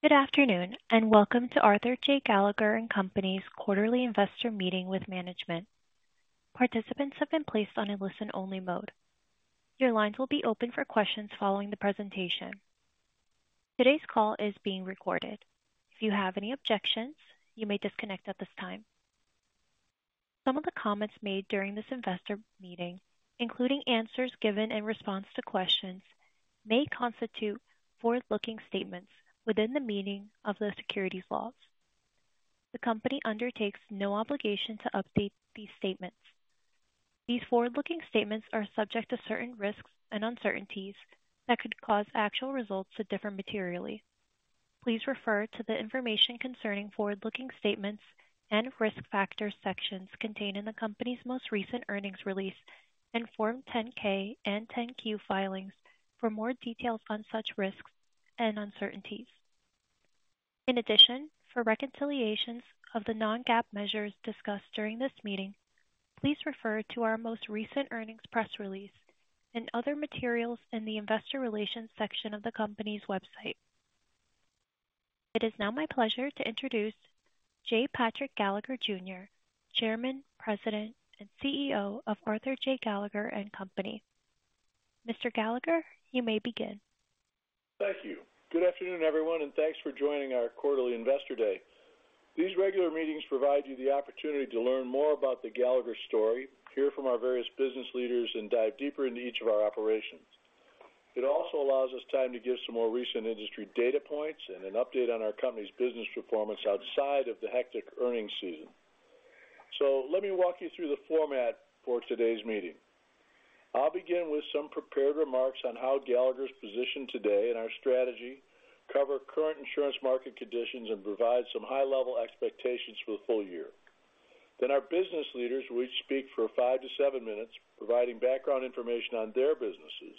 Good afternoon, and welcome to Arthur J. Gallagher & Company's quarterly investor meeting with management. Participants have been placed on a listen-only mode. Your lines will be open for questions following the presentation. Today's call is being recorded. If you have any objections, you may disconnect at this time. Some of the comments made during this investor meeting, including answers given in response to questions, may constitute forward-looking statements within the meaning of the securities laws. The company undertakes no obligation to update these statements. These forward-looking statements are subject to certain risks and uncertainties that could cause actual results to differ materially. Please refer to the Information Concerning Forward-looking Statements and Risk Factors sections contained in the company's most recent earnings release and Form 10-K and 10-Q filings for more details on such risks and uncertainties. In addition, for reconciliations of the non-GAAP measures discussed during this meeting, please refer to our most recent earnings press release and other materials in the Investor Relations section of the company's website. It is now my pleasure to introduce J. Patrick Gallagher, Jr., Chairman, President, and CEO of Arthur J. Gallagher & Company. Mr. Gallagher, you may begin. Thank you. Good afternoon, everyone, and thanks for joining our quarterly Investor Day. These regular meetings provide you the opportunity to learn more about the Gallagher story, hear from our various business leaders, and dive deeper into each of our operations. It also allows us time to give some more recent industry data points and an update on our company's business performance outside of the hectic earnings season. So let me walk you through the format for today's meeting. I'll begin with some prepared remarks on how Gallagher is positioned today and our strategy, cover current insurance market conditions, and provide some high-level expectations for the full year. Then our business leaders will each speak for 5-7 minutes, providing background information on their businesses,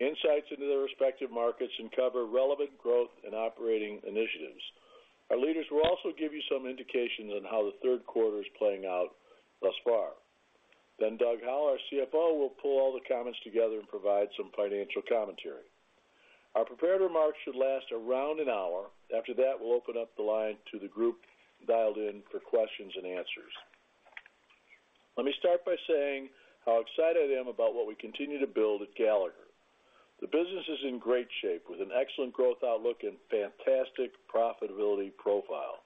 insights into their respective markets, and cover relevant growth and operating initiatives. Our leaders will also give you some indications on how the third quarter is playing out thus far. Then Doug Howell, our CFO, will pull all the comments together and provide some financial commentary. Our prepared remarks should last around an hour. After that, we'll open up the line to the group dialed in for questions and answers. Let me start by saying how excited I am about what we continue to build at Gallagher. The business is in great shape, with an excellent growth outlook and fantastic profitability profile.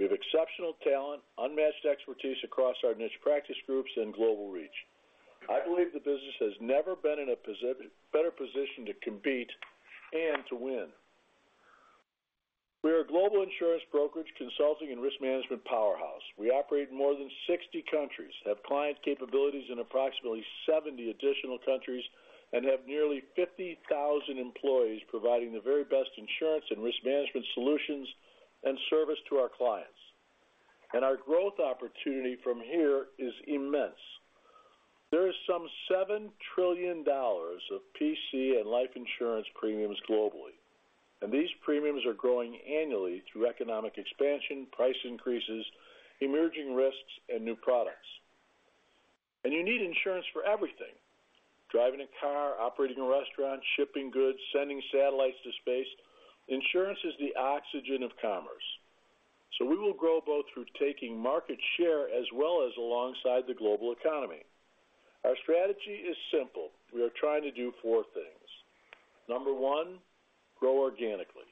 We have exceptional talent, unmatched expertise across our niche practice groups, and global reach. I believe the business has never been in a better position to compete and to win. We are a global insurance brokerage, consulting, and risk management powerhouse. We operate in more than 60 countries, have client capabilities in approximately 70 additional countries, and have nearly 50,000 employees providing the very best insurance and risk management solutions and service to our clients. And our growth opportunity from here is immense. There is some $7 trillion of P&C and life insurance premiums globally, and these premiums are growing annually through economic expansion, price increases, emerging risks, and new products. And you need insurance for everything: driving a car, operating a restaurant, shipping goods, sending satellites to space. Insurance is the oxygen of commerce, so we will grow both through taking market share as well as alongside the global economy. Our strategy is simple. We are trying to do four things. Number one, grow organically.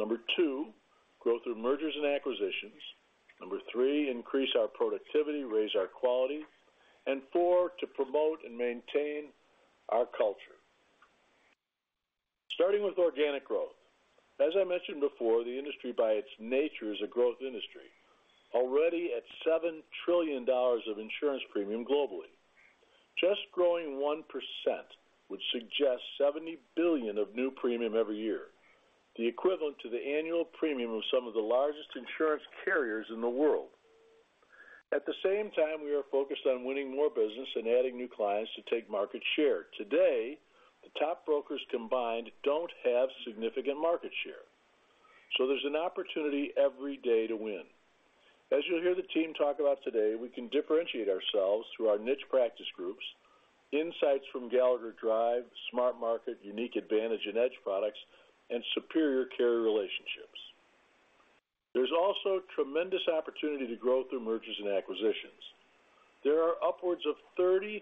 Number two, grow through mergers and acquisitions. Number three, increase our productivity, raise our quality, and four, to promote and maintain our culture. Starting with organic growth. As I mentioned before, the industry, by its nature, is a growth industry, already at $7 trillion of insurance premium globally. Just growing 1% would suggest $70 billion of new premium every year, the equivalent to the annual premium of some of the largest insurance carriers in the world. At the same time, we are focused on winning more business and adding new clients to take market share. Today, the top brokers combined don't have significant market share, so there's an opportunity every day to win. As you'll hear the team talk about today, we can differentiate ourselves through our niche practice groups, insights from Gallagher Drive, SmartMarket, unique advantage and edge products, and superior carrier relationships. There's also tremendous opportunity to grow through mergers and acquisitions. There are upwards of 30,000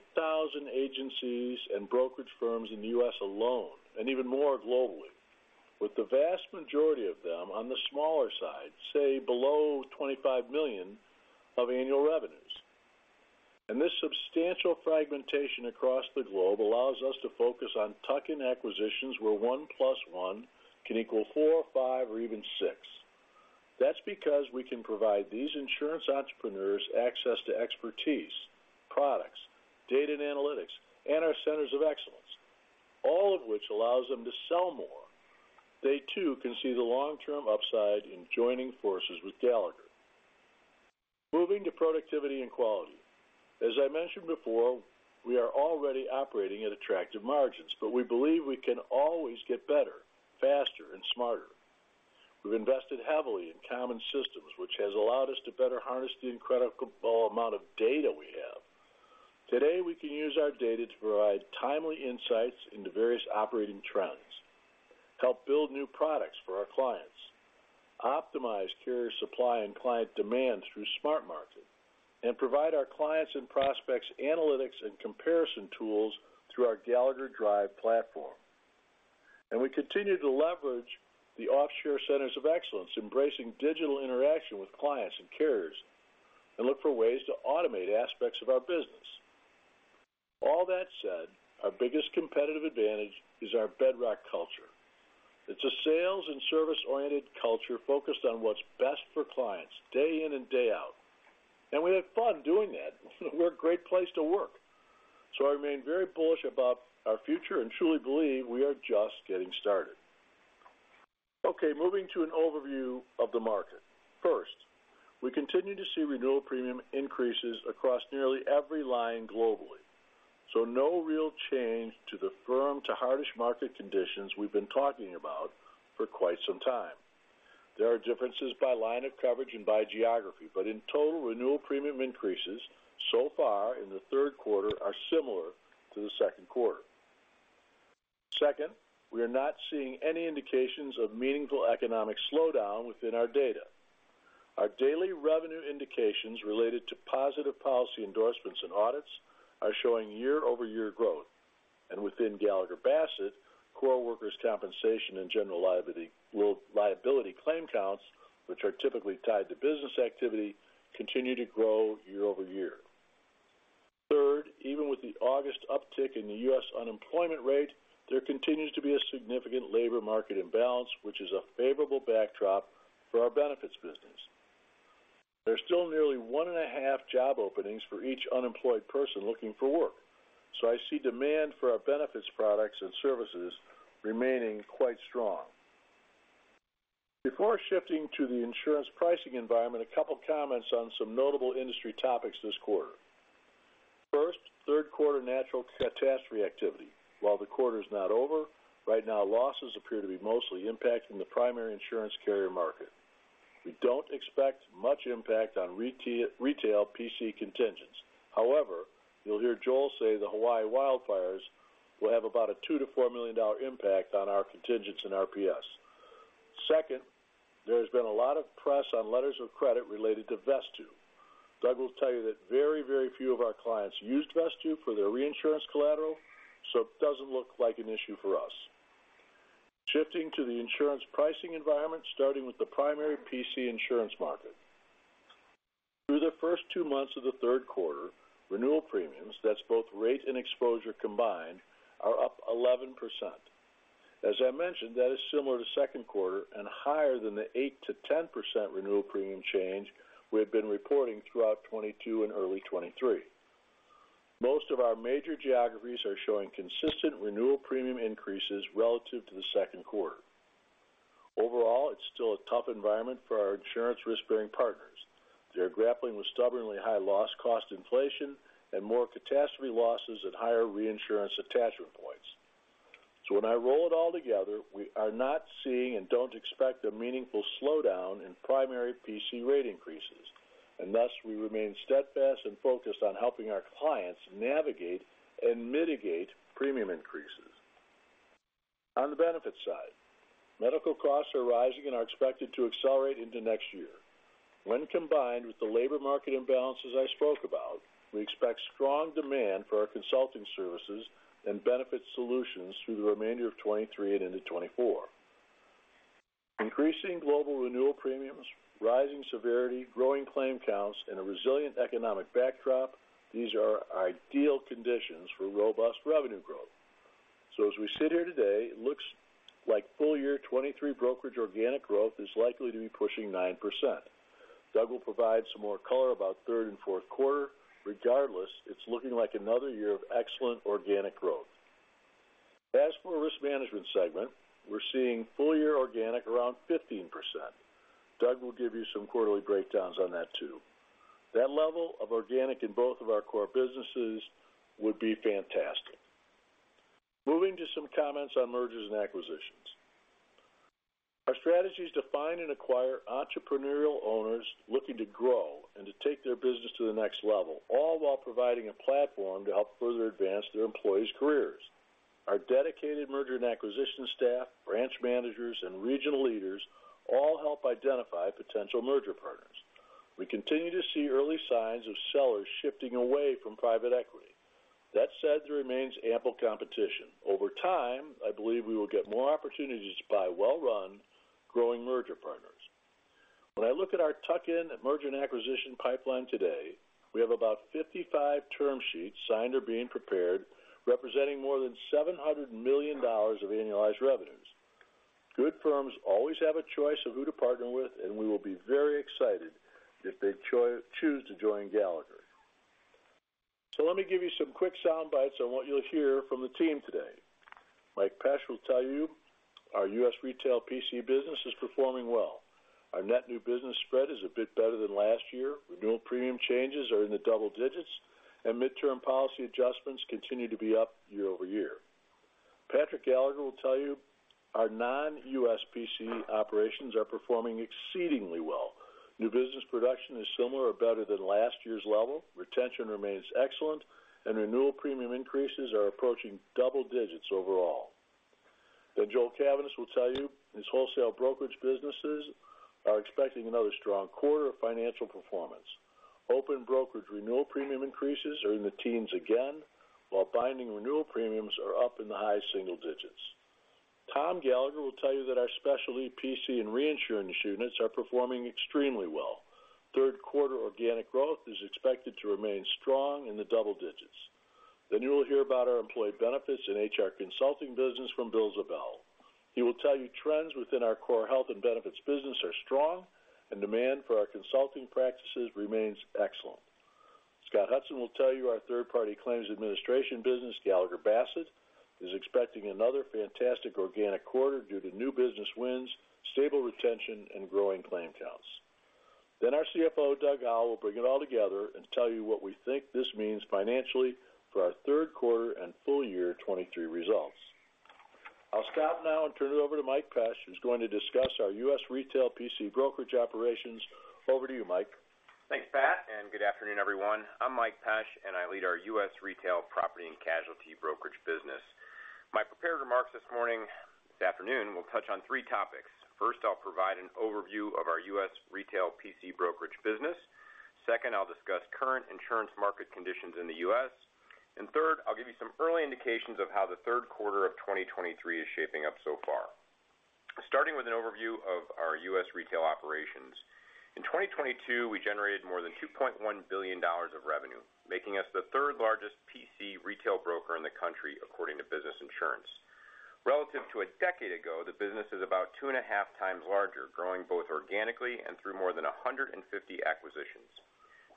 agencies and brokerage firms in the U.S. alone, and even more globally, with the vast majority of them on the smaller side, say, below $25 million of annual revenues. This substantial fragmentation across the globe allows us to focus on tuck-in acquisitions, where one plus one can equal four, five, or even six. That's because we can provide these insurance entrepreneurs access to expertise, products, data and analytics, and our centers of excellence, all of which allows them to sell more. They, too, can see the long-term upside in joining forces with Gallagher. Moving to productivity and quality. As I mentioned before, we are already operating at attractive margins, but we believe we can always get better, faster, and smarter. We've invested heavily in common systems, which has allowed us to better harness the incredible amount of data we have. Today, we can use our data to provide timely insights into various operating trends, help build new products for our clients, optimize carrier supply and client demand through SmartMarket, and provide our clients and prospects analytics and comparison tools through our Gallagher Drive platform. And we continue to leverage the offshore centers of excellence, embracing digital interaction with clients and carriers, and look for ways to automate aspects of our business. All that said, our biggest competitive advantage is our bedrock culture. It's a sales and service-oriented culture focused on what's best for clients day in and day out, and we have fun doing that. We're a great place to work, so I remain very bullish about our future and truly believe we are just getting started. Okay, moving to an overview of the market. First, we continue to see renewal premium increases across nearly every line globally, so no real change from the firm, the hardest market conditions we've been talking about for quite some time. There are differences by line of coverage and by geography, but in total, renewal premium increases so far in the third quarter are similar to the second quarter. Second, we are not seeing any indications of meaningful economic slowdown within our data. Our daily revenue indications related to positive policy endorsements and audits are showing year-over-year growth. And within Gallagher Bassett, core workers' compensation and general liability claim counts, which are typically tied to business activity, continue to grow year-over-year. Third, even with the August uptick in the U.S. unemployment rate, there continues to be a significant labor market imbalance, which is a favorable backdrop for our benefits business. There's still nearly 1.5 job openings for each unemployed person looking for work, so I see demand for our benefits products and services remaining quite strong. Before shifting to the insurance pricing environment, a couple comments on some notable industry topics this quarter. First, third quarter natural catastrophe activity. While the quarter is not over, right now, losses appear to be mostly impacting the primary insurance carrier market. We don't expect much impact on retail P&C contingents. However, you'll hear Joel say the Hawaii wildfires will have about a $2-$4 million impact on our contingents and RPS. Second, there has been a lot of press on letters of credit related to Vesttoo. Doug will tell you that very, very few of our clients used Vesttoo for their reinsurance collateral, so it doesn't look like an issue for us. Shifting to the insurance pricing environment, starting with the primary P&C insurance market. Through the first two months of the third quarter, renewal premiums, that's both rate and exposure combined, are up 11%. As I mentioned, that is similar to second quarter and higher than the 8%-10% renewal premium change we have been reporting throughout 2022 and early 2023. Most of our major geographies are showing consistent renewal premium increases relative to the second quarter. Overall, it's still a tough environment for our insurance risk-bearing partners. They're grappling with stubbornly high loss cost inflation and more catastrophe losses at higher reinsurance attachment points. So when I roll it all together, we are not seeing and don't expect a meaningful slowdown in primary P&C rate increases, and thus we remain steadfast and focused on helping our clients navigate and mitigate premium increases. On the benefits side, medical costs are rising and are expected to accelerate into next year. When combined with the labor market imbalances I spoke about, we expect strong demand for our consulting services and benefit solutions through the remainder of 2023 and into 2024. Increasing global renewal premiums, rising severity, growing claim counts, and a resilient economic backdrop, these are ideal conditions for robust revenue growth. So as we sit here today, it looks like full year 2023 brokerage organic growth is likely to be pushing 9%. Doug will provide some more color about third and fourth quarter. Regardless, it's looking like another year of excellent organic growth. As for risk management segment, we're seeing full year organic around 15%. Doug will give you some quarterly breakdowns on that, too. That level of organic in both of our core businesses would be fantastic. Moving to some comments on mergers and acquisitions. Our strategy is to find and acquire entrepreneurial owners looking to grow and to take their business to the next level, all while providing a platform to help further advance their employees' careers. Our dedicated merger and acquisition staff, branch managers, and regional leaders all help identify potential merger partners. We continue to see early signs of sellers shifting away from private equity. That said, there remains ample competition. Over time, I believe we will get more opportunities to buy well-run, growing merger partners. When I look at our tuck-in merger and acquisition pipeline today, we have about 55 term sheets signed or being prepared, representing more than $700 million of annualized revenues. Good firms always have a choice of who to partner with, and we will be very excited if they choose to join Gallagher. So let me give you some quick sound bites on what you'll hear from the team today. Mike Pesch will tell you our U.S. retail P&C business is performing well. Our net new business spread is a bit better than last year. Renewal premium changes are in the double digits, and midterm policy adjustments continue to be up year-over-year. Patrick Gallagher will tell you, our non-U.S. P&C operations are performing exceedingly well. New business production is similar or better than last year's level, retention remains excellent, and renewal premium increases are approaching double digits overall. Then Joel Cavaness will tell you, his wholesale brokerage businesses are expecting another strong quarter of financial performance. Open brokerage renewal premium increases are in the teens again, while binding renewal premiums are up in the high single digits. Tom Gallagher will tell you that our specialty P&C and reinsurance units are performing extremely well. Third quarter organic growth is expected to remain strong in the double digits. Then you will hear about our employee benefits and HR consulting business from Bill Ziebell. He will tell you trends within our core health and benefits business are strong, and demand for our consulting practices remains excellent. Scott Hudson will tell you our third-party claims administration business, Gallagher Bassett, is expecting another fantastic organic quarter due to new business wins, stable retention, and growing claim counts. Then our CFO, Doug Howell, will bring it all together and tell you what we think this means financially for our third quarter and full year 2023 results. I'll stop now and turn it over to Mike Pesch, who's going to discuss our U.S. retail P&C brokerage operations. Over to you, Mike. Thanks, Pat, and good afternoon, everyone. I'm Mike Pesch, and I lead our U.S. retail property and casualty brokerage business. My prepared remarks this morning, this afternoon, will touch on three topics. First, I'll provide an overview of our U.S. retail P&C brokerage business. Second, I'll discuss current insurance market conditions in the U.S. And third, I'll give you some early indications of how the third quarter of 2023 is shaping up so far. Starting with an overview of our U.S. retail operations. In 2022, we generated more than $2.1 billion of revenue, making us the third-largest P&C retail broker in the country, according to Business Insurance. Relative to a decade ago, the business is about two and a half times larger, growing both organically and through more than 150 acquisitions.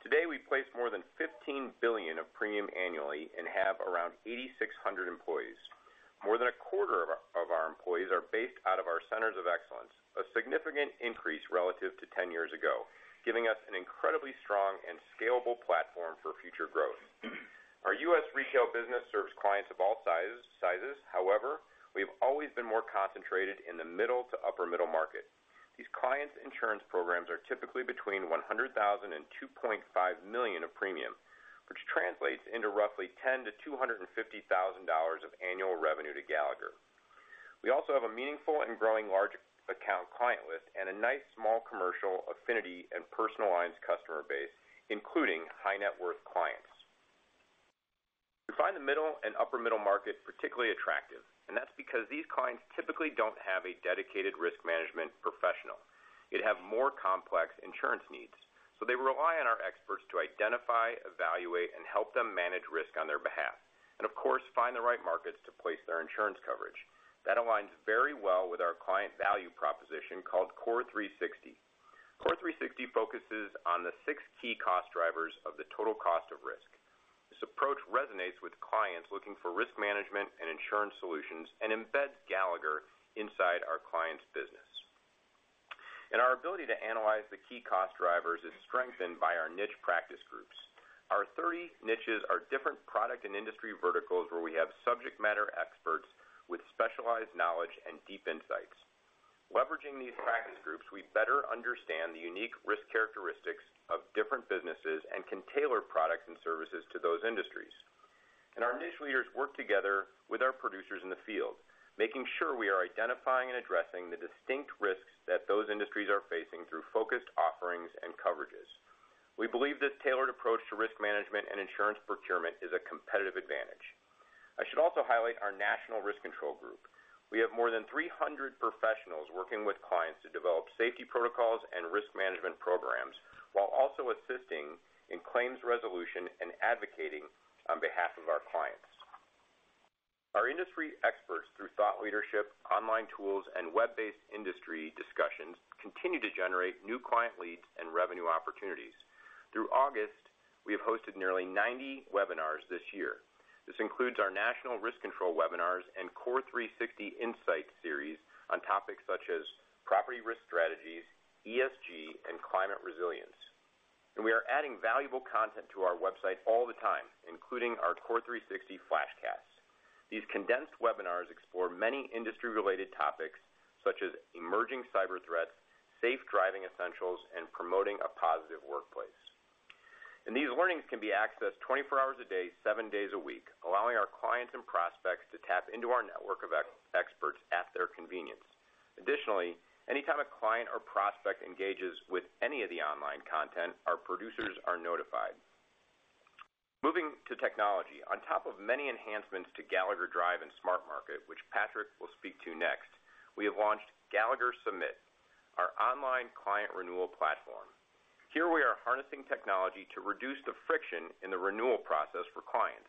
Today, we place more than $15 billion of premium annually and have around 8,600 employees. More than a quarter of our employees are based out of our centers of excellence, a significant increase relative to 10 years ago, giving us an incredibly strong and scalable platform for future growth. Our U.S. retail business serves clients of all sizes. However, we have always been more concentrated in the middle to upper middle market. These clients' insurance programs are typically between $100,000 and $2.5 million of premium, which translates into roughly $10-$250,000 of annual revenue to Gallagher. We also have a meaningful and growing large account client list and a nice small commercial affinity and personal lines customer base, including high net worth clients. We find the middle and upper middle market particularly attractive, and that's because these clients typically don't have a dedicated risk management professional. Yet have more complex insurance needs, so they rely on our experts to identify, evaluate, and help them manage risk on their behalf, and of course, find the right markets to place their insurance coverage. That aligns very well with our client value proposition called CORE360. CORE360 focuses on the six key cost drivers of the total cost of risk. This approach resonates with clients looking for risk management and insurance solutions and embeds Gallagher inside our client's business. Our ability to analyze the key cost drivers is strengthened by our niche practice groups. Our 30 niches are different product and industry verticals where we have subject matter experts with specialized knowledge and deep insights. Leveraging these practice groups, we better understand the unique risk characteristics of different businesses and can tailor products and services to those industries. Our niche leaders work together with our producers in the field, making sure we are identifying and addressing the distinct risks that those industries are facing through focused offerings and coverages. We believe this tailored approach to risk management and insurance procurement is a competitive advantage. I should also highlight our National Risk Control Group. We have more than 300 professionals working with clients to develop safety protocols and risk management programs, while also assisting in claims resolution and advocating on behalf of our clients. Our industry experts, through thought leadership, online tools, and web-based industry discussions, continue to generate new client leads and revenue opportunities. Through August, we have hosted nearly 90 webinars this year. This includes our National Risk Control webinars and CORE360 Insight series on topics such as property risk strategies, ESG, and climate resilience. We are adding valuable content to our website all the time, including our CORE360 Flashcasts. These condensed webinars explore many industry-related topics, such as emerging cyber threats, safe driving essentials, and promoting a positive workplace. These learnings can be accessed 24 hours a day, seven days a week, allowing our clients and prospects to tap into our network of experts at their convenience. Additionally, anytime a client or prospect engages with any of the online content, our producers are notified. Moving to technology. On top of many enhancements to Gallagher Drive and SmartMarket, which Patrick will speak to next, we have launched Gallagher Submit, our online client renewal platform. Here we are harnessing technology to reduce the friction in the renewal process for clients.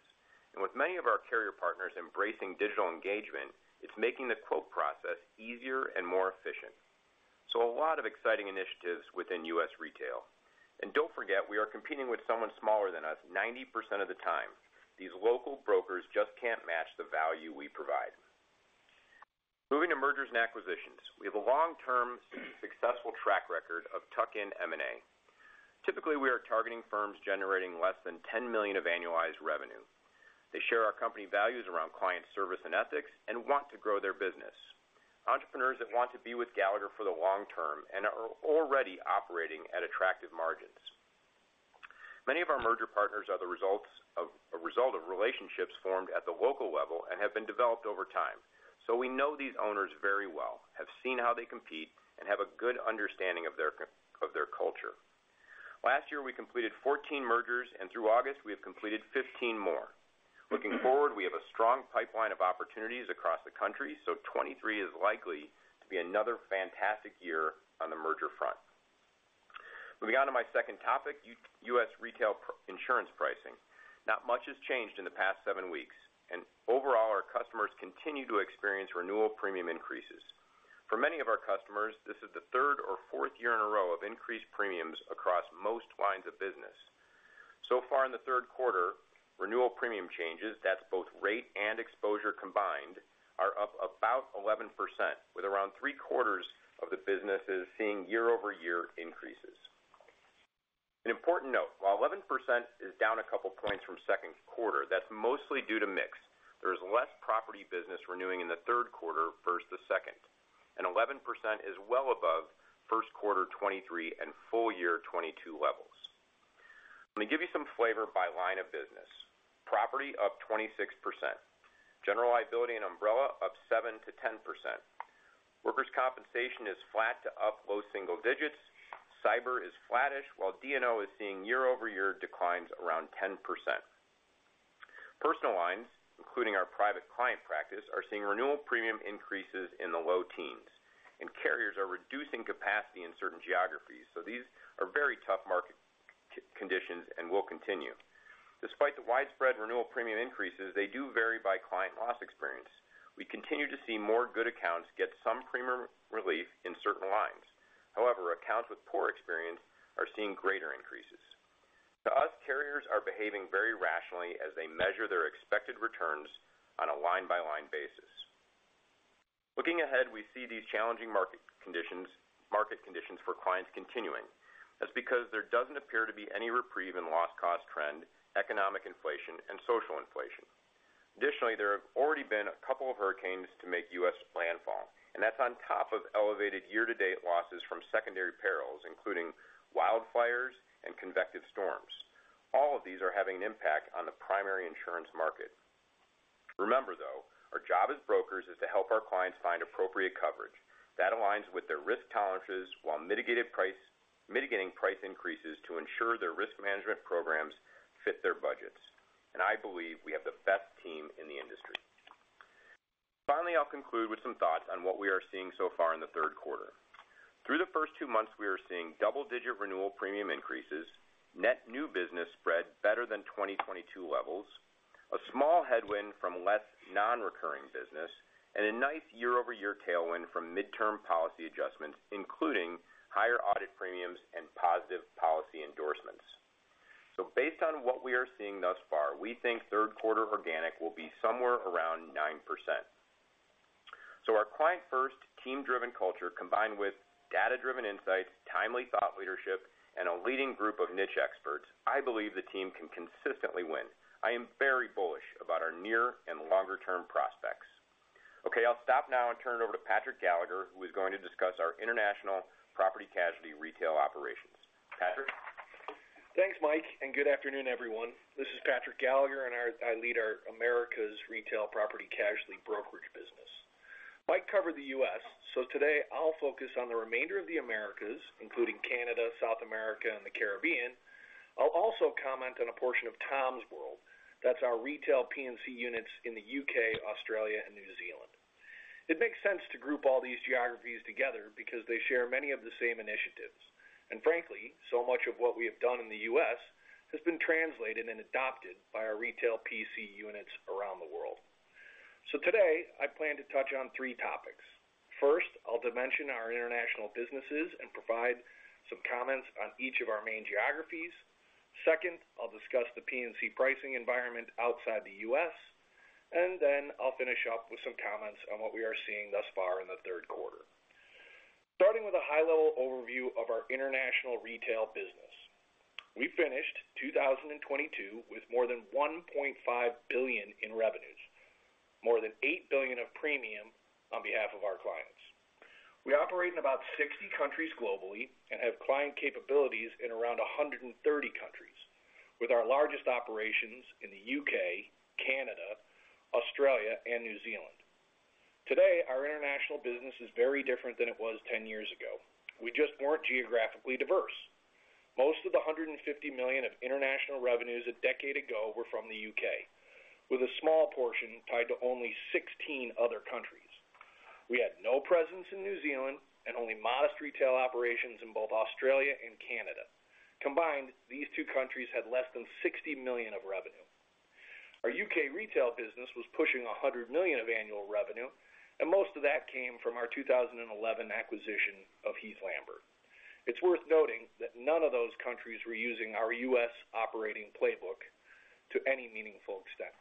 With many of our carrier partners embracing digital engagement, it's making the quote process easier and more efficient. A lot of exciting initiatives within U.S. retail. Don't forget, we are competing with someone smaller than us 90% of the time. These local brokers just can't match the value we provide. Moving to mergers and acquisitions. We have a long-term successful track record of tuck-in M&A. Typically, we are targeting firms generating less than $10 million of annualized revenue. They share our company values around client service and ethics and want to grow their business. Entrepreneurs that want to be with Gallagher for the long term and are already operating at attractive margins. Many of our merger partners are a result of relationships formed at the local level and have been developed over time. So we know these owners very well, have seen how they compete, and have a good understanding of their culture. Last year, we completed 14 mergers, and through August, we have completed 15 more. Looking forward, we have a strong pipeline of opportunities across the country, so 2023 is likely to be another fantastic year on the merger front. Moving on to my second topic, U.S. retail insurance pricing. Not much has changed in the past 7 weeks, and overall, our customers continue to experience renewal premium increases. For many of our customers, this is the third or fourth year in a row of increased premiums across most lines of business. So far in the third quarter, renewal premium changes, that's both rate and exposure combined, are up about 11%, with around three-quarters of the businesses seeing year-over-year increases. An important note, while 11% is down a couple points from second quarter, that's mostly due to mix. There is less property business renewing in the third quarter versus the second, and 11% is well above first quarter 2023 and full year 2022 levels. Let me give you some flavor by line of business. Property, up 26%. General liability and umbrella, up 7%-10%. Workers' compensation is flat to up low single digits. Cyber is flattish, while D&O is seeing year-over-year declines around 10%. Personal lines, including our private client practice, are seeing renewal premium increases in the low teens, and carriers are reducing capacity in certain geographies, so these are very tough market conditions and will continue. Despite the widespread renewal premium increases, they do vary by client loss experience. We continue to see more good accounts get some premium relief in certain lines. However, accounts with poor experience are seeing greater increases. To us, carriers are behaving very rationally as they measure their expected returns on a line-by-line basis. Looking ahead, we see these challenging market conditions, market conditions for clients continuing. That's because there doesn't appear to be any reprieve in loss cost trend, economic inflation, and social inflation. Additionally, there have already been a couple of hurricanes to make U.S. landfall, and that's on top of elevated year-to-date losses from secondary perils, including wildfires and convective storms. All of these are having an impact on the primary insurance market. Remember, though, our job as brokers is to help our clients find appropriate coverage that aligns with their risk tolerances, while mitigating price increases to ensure their risk management programs fit their budgets. And I believe we have the best team in the industry. Finally, I'll conclude with some thoughts on what we are seeing so far in the third quarter. Through the first two months, we are seeing double-digit renewal premium increases, net new business spread better than 2022 levels, a small headwind from less non-recurring business, and a nice year-over-year tailwind from midterm policy adjustments, including higher audit premiums and positive policy endorsements. So based on what we are seeing thus far, we think third quarter organic will be somewhere around 9%. So our client-first, team-driven culture, combined with data-driven insights, timely thought leadership, and a leading group of niche experts, I believe the team can consistently win. I am very bullish about our near and longer-term prospects. Okay, I'll stop now and turn it over to Patrick Gallagher, who is going to discuss our international property casualty retail operations. Patrick? Thanks, Mike, and good afternoon, everyone. This is Patrick Gallagher, and I lead our Americas Retail Property Casualty Brokerage business. Mike covered the U.S., so today I'll focus on the remainder of the Americas, including Canada, South America, and the Caribbean. I'll also comment on a portion of Tom's world. That's our retail P&C units in the U.K., Australia, and New Zealand. It makes sense to group all these geographies together because they share many of the same initiatives, and frankly, so much of what we have done in the U.S. has been translated and adopted by our retail P&C units around the world. So today, I plan to touch on three topics. First, I'll dimension our international businesses and provide some comments on each of our main geographies. Second, I'll discuss the P&C pricing environment outside the U.S., and then I'll finish up with some comments on what we are seeing thus far in the third quarter. Starting with a high-level overview of our international retail business. We finished 2022 with more than $1.5 billion in revenues, more than $8 billion of premium on behalf of our clients. We operate in about 60 countries globally and have client capabilities in around 130 countries, with our largest operations in the U.K., Canada, Australia, and New Zealand. Today, our international business is very different than it was 10 years ago. We just weren't geographically diverse. Most of the $150 million of international revenues a decade ago were from the U.K., with a small portion tied to only 16 other countries. We had no presence in New Zealand and only modest retail operations in both Australia and Canada. Combined, these two countries had less than $60 million of revenue. Our U.K. retail business was pushing $100 million of annual revenue, and most of that came from our 2011 acquisition of Heath Lambert. It's worth noting that none of those countries were using our U.S. operating playbook... to any meaningful extent.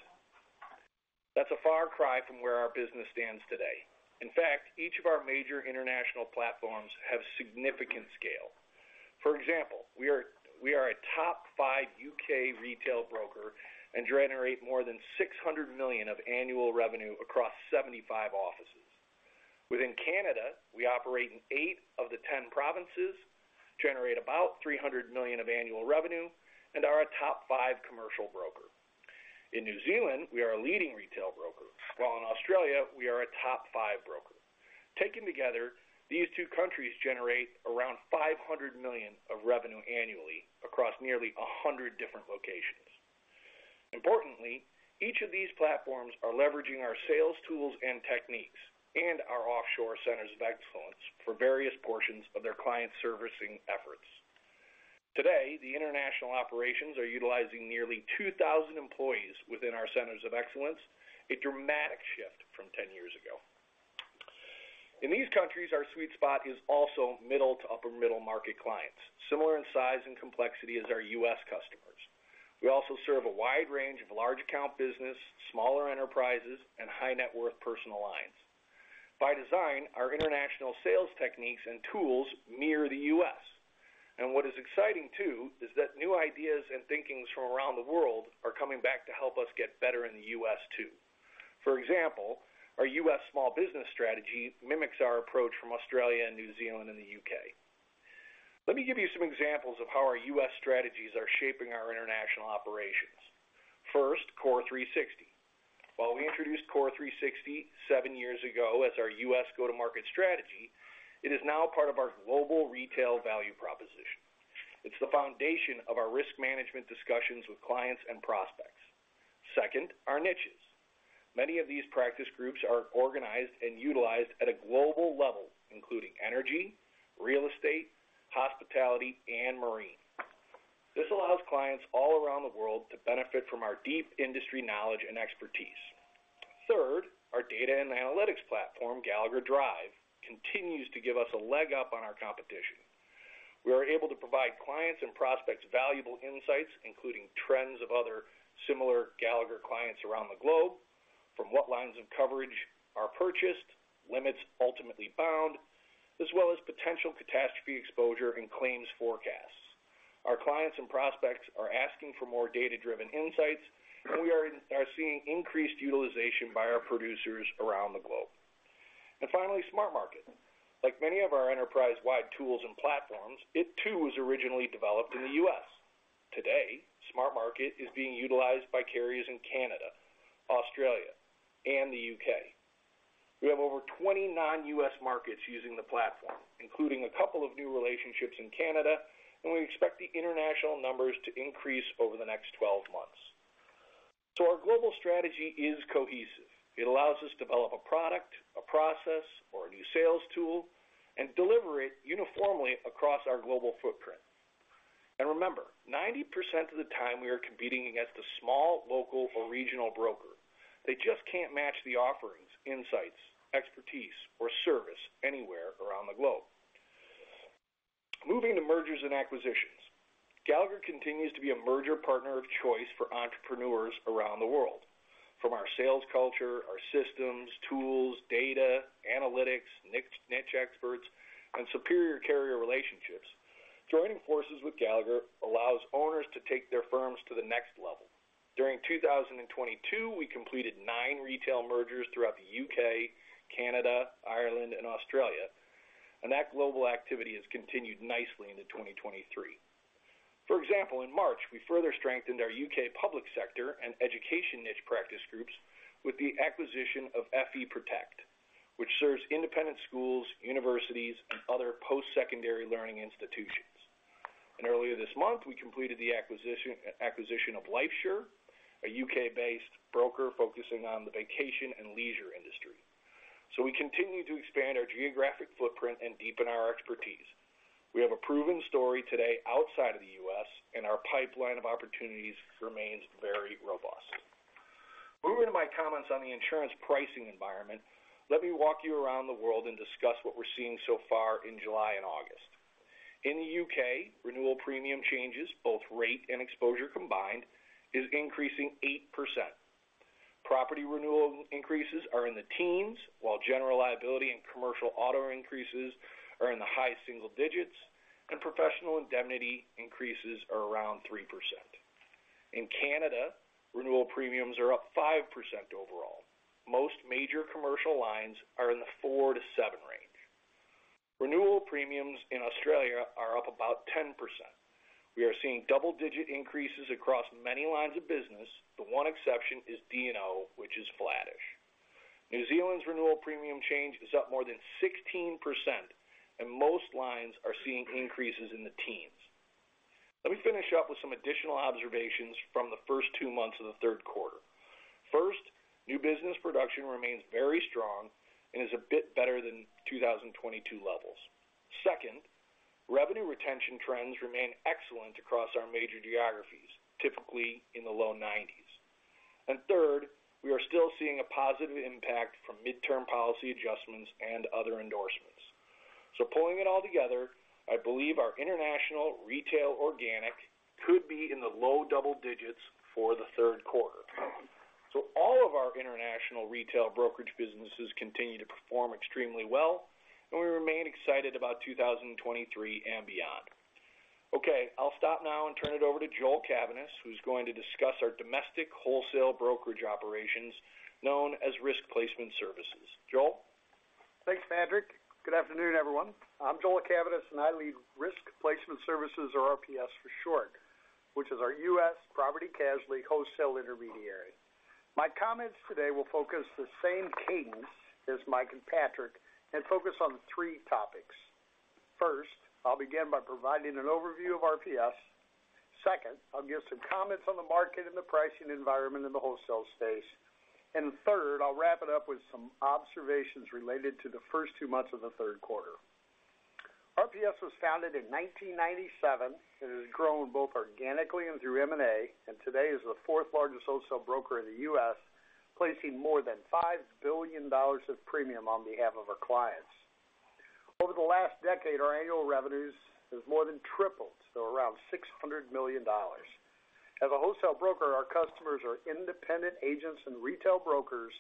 That's a far cry from where our business stands today. In fact, each of our major international platforms have significant scale. For example, we are, we are a top five U.K. retail broker and generate more than $600 million of annual revenue across 75 offices. Within Canada, we operate in 8 of the 10 provinces, generate about $300 million of annual revenue, and are a top five commercial broker. In New Zealand, we are a leading retail broker, while in Australia, we are a top five broker. Taken together, these two countries generate around $500 million of revenue annually across nearly 100 different locations. Importantly, each of these platforms are leveraging our sales tools and techniques and our offshore centers of excellence for various portions of their client servicing efforts. Today, the international operations are utilizing nearly 2,000 employees within our centers of excellence, a dramatic shift from 10 years ago. In these countries, our sweet spot is also middle to upper middle market clients, similar in size and complexity as our U.S. customers. We also serve a wide range of large account business, smaller enterprises, and high-net-worth personal lines. By design, our international sales techniques and tools mirror the U.S. What is exciting, too, is that new ideas and thinkings from around the world are coming back to help us get better in the U.S., too. For example, our U.S. small business strategy mimics our approach from Australia and New Zealand and the U.K. Let me give you some examples of how our U.S. strategies are shaping our international operations. First, CORE360. While we introduced CORE360 seven years ago as our U.S. go-to-market strategy, it is now part of our global retail value proposition. It's the foundation of our risk management discussions with clients and prospects. Second, our niches. Many of these practice groups are organized and utilized at a global level, including energy, real estate, hospitality, and marine. This allows clients all around the world to benefit from our deep industry knowledge and expertise. Third, our data and analytics platform, Gallagher Drive, continues to give us a leg up on our competition. We are able to provide clients and prospects valuable insights, including trends of other similar Gallagher clients around the globe, from what lines of coverage are purchased, limits ultimately bound, as well as potential catastrophe exposure and claims forecasts. Our clients and prospects are asking for more data-driven insights, and we are seeing increased utilization by our producers around the globe. And finally, SmarMarket. Like many of our enterprise-wide tools and platforms, it, too, was originally developed in the U.S. Today, SmartMarket is being utilized by carriers in Canada, Australia, and the U.K. We have over 20 non-U.S. markets using the platform, including a couple of new relationships in Canada, and we expect the international numbers to increase over the next 12 months. So our global strategy is cohesive. It allows us to develop a product, a process, or a new sales tool and deliver it uniformly across our global footprint. And remember, 90% of the time we are competing against a small, local, or regional broker. They just can't match the offerings, insights, expertise, or service anywhere around the globe. Moving to mergers and acquisitions. Gallagher continues to be a merger partner of choice for entrepreneurs around the world. From our sales culture, our systems, tools, data, analytics, niche experts, and superior carrier relationships, joining forces with Gallagher allows owners to take their firms to the next level. During 2022, we completed nine retail mergers throughout the UK, Canada, Ireland, and Australia, and that global activity has continued nicely into 2023. For example, in March, we further strengthened our U.K. public sector and education niche practice groups with the acquisition of FE Protect, which serves independent schools, universities, and other post-secondary learning institutions. Earlier this month, we completed the acquisition of Lifesure, a U.K.-based broker focusing on the vacation and leisure industry. We continue to expand our geographic footprint and deepen our expertise. We have a proven story today outside of the U.S., and our pipeline of opportunities remains very robust. Moving to my comments on the insurance pricing environment, let me walk you around the world and discuss what we're seeing so far in July and August. In the U.K., renewal premium changes, both rate and exposure combined, is increasing 8%. Property renewal increases are in the teens, while general liability and commercial auto increases are in the high single digits, and professional indemnity increases are around 3%. In Canada, renewal premiums are up 5% overall. Most major commercial lines are in the 4-7 range. Renewal premiums in Australia are up about 10%. We are seeing double-digit increases across many lines of business. The one exception is D&O, which is flattish. New Zealand's renewal premium change is up more than 16%, and most lines are seeing increases in the teens. Let me finish up with some additional observations from the first two months of the third quarter. First, new business production remains very strong and is a bit better than 2022 levels. Second, revenue retention trends remain excellent across our major geographies, typically in the low 90s. And third, we are still seeing a positive impact from midterm policy adjustments and other endorsements. Pulling it all together, I believe our international retail organic could be in the low double digits for the third quarter. All of our international retail brokerage businesses continue to perform extremely well, and we remain excited about 2023 and beyond. Okay, I'll stop now and turn it over to Joel Cavaness, who's going to discuss our domestic wholesale brokerage operations, known as Risk Placement Services. Joel? Thanks, Patrick. Good afternoon, everyone. I'm Joel Cavaness, and I lead Risk Placement Services, or RPS for short, which is our U.S. property casualty wholesale intermediary. My comments today will focus the same cadence as Mike and Patrick, and focus on three topics. First, I'll begin by providing an overview of RPS. Second, I'll give some comments on the market and the pricing environment in the wholesale space. Third, I'll wrap it up with some observations related to the first two months of the third quarter. RPS was founded in 1997, and has grown both organically and through M&A, and today is the fourth largest wholesale broker in the U.S., placing more than $5 billion of premium on behalf of our clients. Over the last decade, our annual revenues has more than tripled, so around $600 million. As a wholesale broker, our customers are independent agents and retail brokers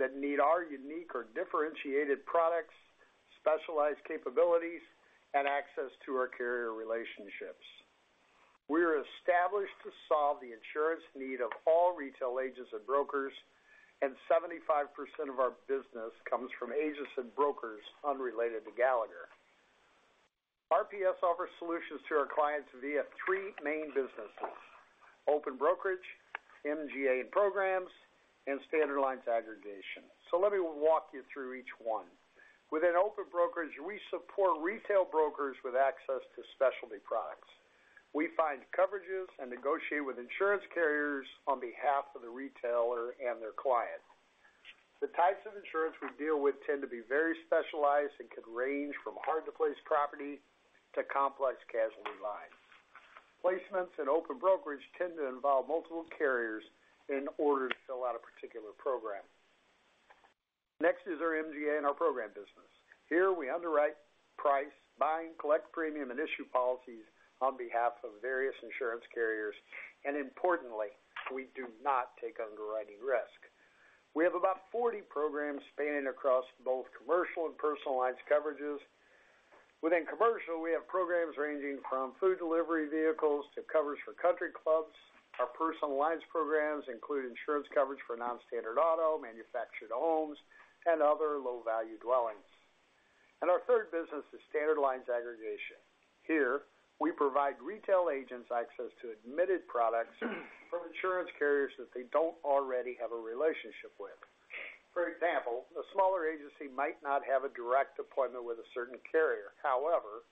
that need our unique or differentiated products, specialized capabilities, and access to our carrier relationships. We are established to solve the insurance need of all retail agents and brokers, and 75% of our business comes from agents and brokers unrelated to Gallagher. RPS offers solutions to our clients via three main businesses: open brokerage, MGA and programs, and standard lines aggregation. So let me walk you through each one. Within open brokerage, we support retail brokers with access to specialty products. We find coverages and negotiate with insurance carriers on behalf of the retailer and their client. The types of insurance we deal with tend to be very specialized and can range from hard-to-place property to complex casualty lines. Placements in open brokerage tend to involve multiple carriers in order to fill out a particular program. Next is our MGA and our program business. Here, we underwrite, price, buy, and collect premium, and issue policies on behalf of various insurance carriers, and importantly, we do not take underwriting risk. We have about 40 programs spanning across both commercial and personal lines coverages. Within commercial, we have programs ranging from food delivery vehicles to coverage for country clubs. Our personal lines programs include insurance coverage for non-standard auto, manufactured homes, and other low-value dwellings. And our third business is standard lines aggregation. Here, we provide retail agents access to admitted products from insurance carriers that they don't already have a relationship with. For example, a smaller agency might not have a direct appointment with a certain carrier. However,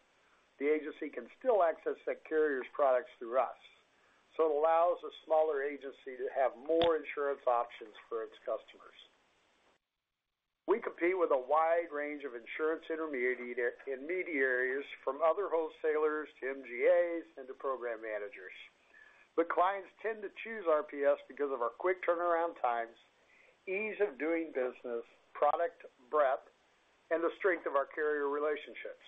the agency can still access that carrier's products through us, so it allows a smaller agency to have more insurance options for its customers. We compete with a wide range of insurance intermediaries, from other wholesalers to MGAs and to program managers. But clients tend to choose RPS because of our quick turnaround times, ease of doing business, product breadth, and the strength of our carrier relationships.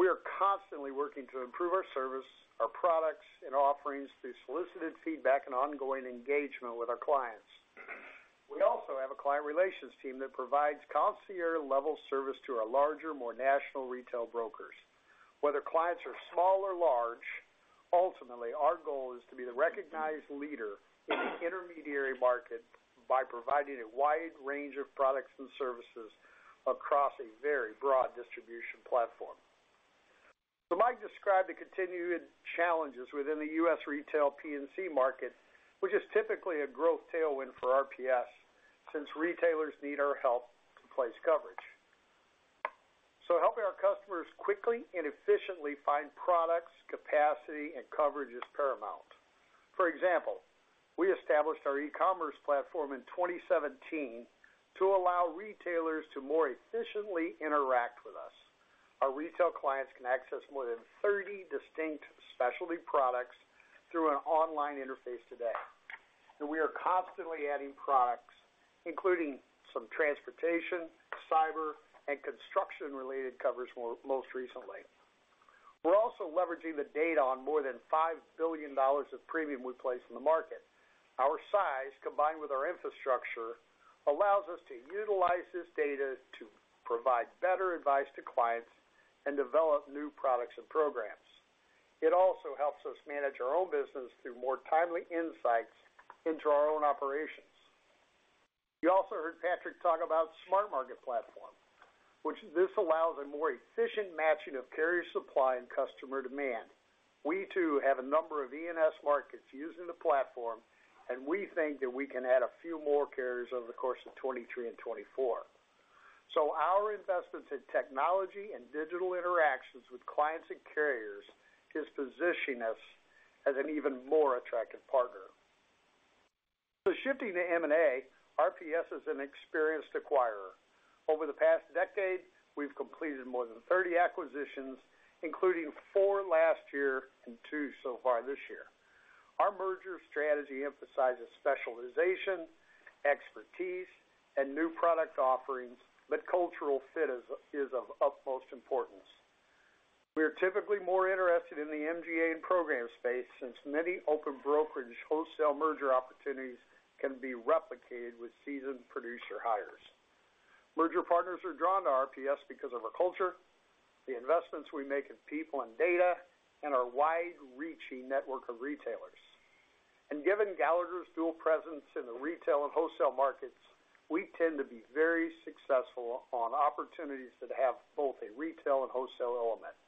We are constantly working to improve our service, our products, and offerings through solicited feedback and ongoing engagement with our clients. We also have a client relations team that provides concierge-level service to our larger, more national retail brokers. Whether clients are small or large, ultimately, our goal is to be the recognized leader in the intermediary market by providing a wide range of products and services across a very broad distribution platform. So Mike described the continued challenges within the U.S. retail P&C market, which is typically a growth tailwind for RPS, since retailers need our help to place coverage. So helping our customers quickly and efficiently find products, capacity, and coverage is paramount. For example, we established our e-commerce platform in 2017 to allow retailers to more efficiently interact with us. Our retail clients can access more than 30 distinct specialty products through an online interface today, and we are constantly adding products, including some transportation, cyber, and construction-related coverage most recently. We're also leveraging the data on more than $5 billion of premium we place in the market. Our size, combined with our infrastructure, allows us to utilize this data to provide better advice to clients and develop new products and programs. It also helps us manage our own business through more timely insights into our own operations. You also heard Patrick talk about SmartMarket platform, which this allows a more efficient matching of carrier supply and customer demand. We, too, have a number of E&S markets using the platform, and we think that we can add a few more carriers over the course of 2023 and 2024. Our investments in technology and digital interactions with clients and carriers is positioning us as an even more attractive partner. Shifting to M&A, RPS is an experienced acquirer. Over the past decade, we've completed more than 30 acquisitions, including 4 last year and 2 so far this year. Our merger strategy emphasizes specialization, expertise, and new product offerings, but cultural fit is of utmost importance. We are typically more interested in the MGA and program space, since many open brokerage wholesale merger opportunities can be replicated with seasoned producer hires. Merger partners are drawn to RPS because of our culture, the investments we make in people and data, and our wide-reaching network of retailers. Given Gallagher's dual presence in the retail and wholesale markets, we tend to be very successful on opportunities that have both a retail and wholesale element.